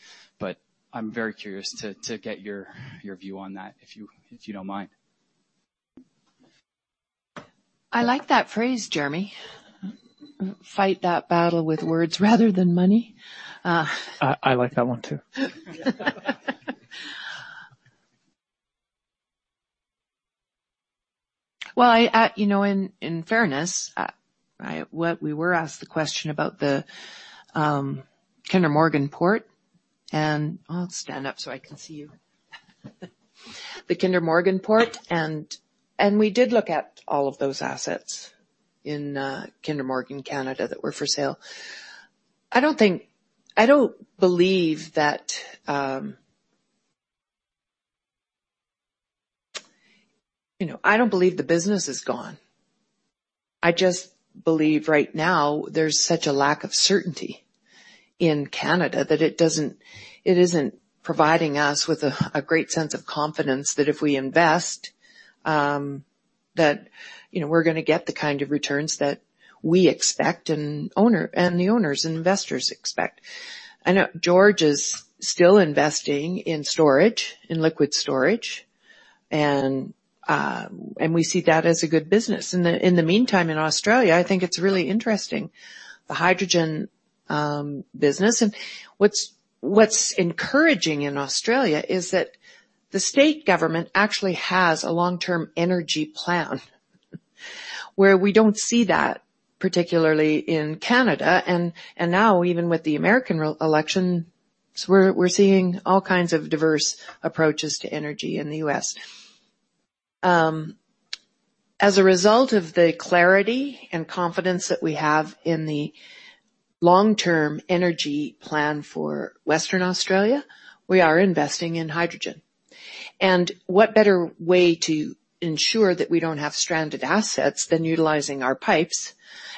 I'm very curious to get your view on that, if you don't mind. I like that phrase, Jeremy. Fight that battle with words rather than money. I like that one, too. In fairness, we were asked the question about the Kinder Morgan port and I'll stand up so I can see you. The Kinder Morgan port, and we did look at all of those assets in Kinder Morgan Canada that were for sale. I don't believe the business is gone. I just believe right now there's such a lack of certainty in Canada that it isn't providing us with a great sense of confidence that if we invest that we're going to get the kind of returns that we expect and the owners and investors expect. I know George is still investing in storage, in liquid storage, and we see that as a good business. In the meantime, in Australia, I think it's really interesting, the hydrogen business. What's encouraging in Australia is that the state government actually has a long-term energy plan where we don't see that, particularly in Canada and now even with the American election, so we're seeing all kinds of diverse approaches to energy in the U.S. As a result of the clarity and confidence that we have in the long-term energy plan for Western Australia, we are investing in hydrogen. What better way to ensure that we don't have stranded assets than utilizing our pipes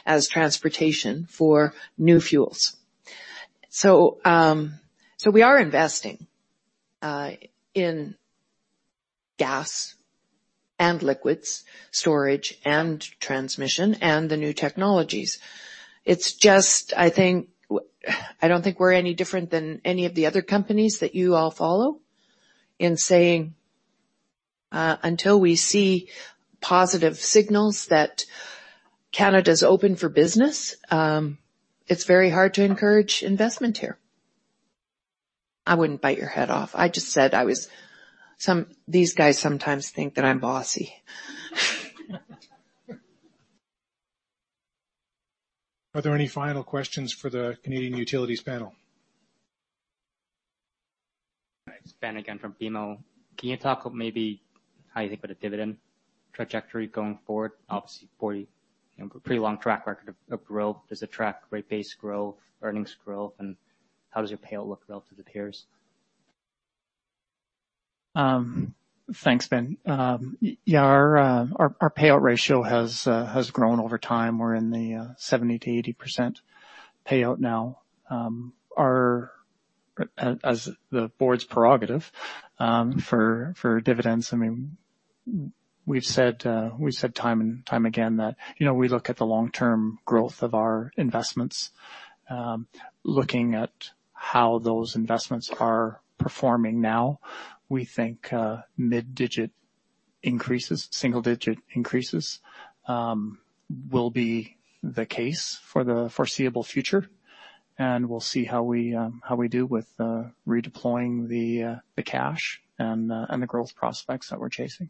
as transportation for new fuels. We are investing in gas and liquids storage and transmission and the new technologies. I don't think we're any different than any of the other companies that you all follow in saying, until we see positive signals that Canada's open for business, it's very hard to encourage investment here. I wouldn't bite your head off. These guys sometimes think that I'm bossy. Are there any final questions for the Canadian Utilities panel? It's Ben again from BMO. Can you talk maybe how you think about a dividend trajectory going forward? Obviously, pretty long track record of growth. Does it track rate base growth, earnings growth, and how does your payout look relative to peers? Thanks, Ben. Our payout ratio has grown over time. We're in the 70%-80% payout now. As the board's prerogative for dividends, we've said time and time again that we look at the long-term growth of our investments. Looking at how those investments are performing now, we think mid-digit increases, single-digit increases, will be the case for the foreseeable future, and we'll see how we do with redeploying the cash and the growth prospects that we're chasing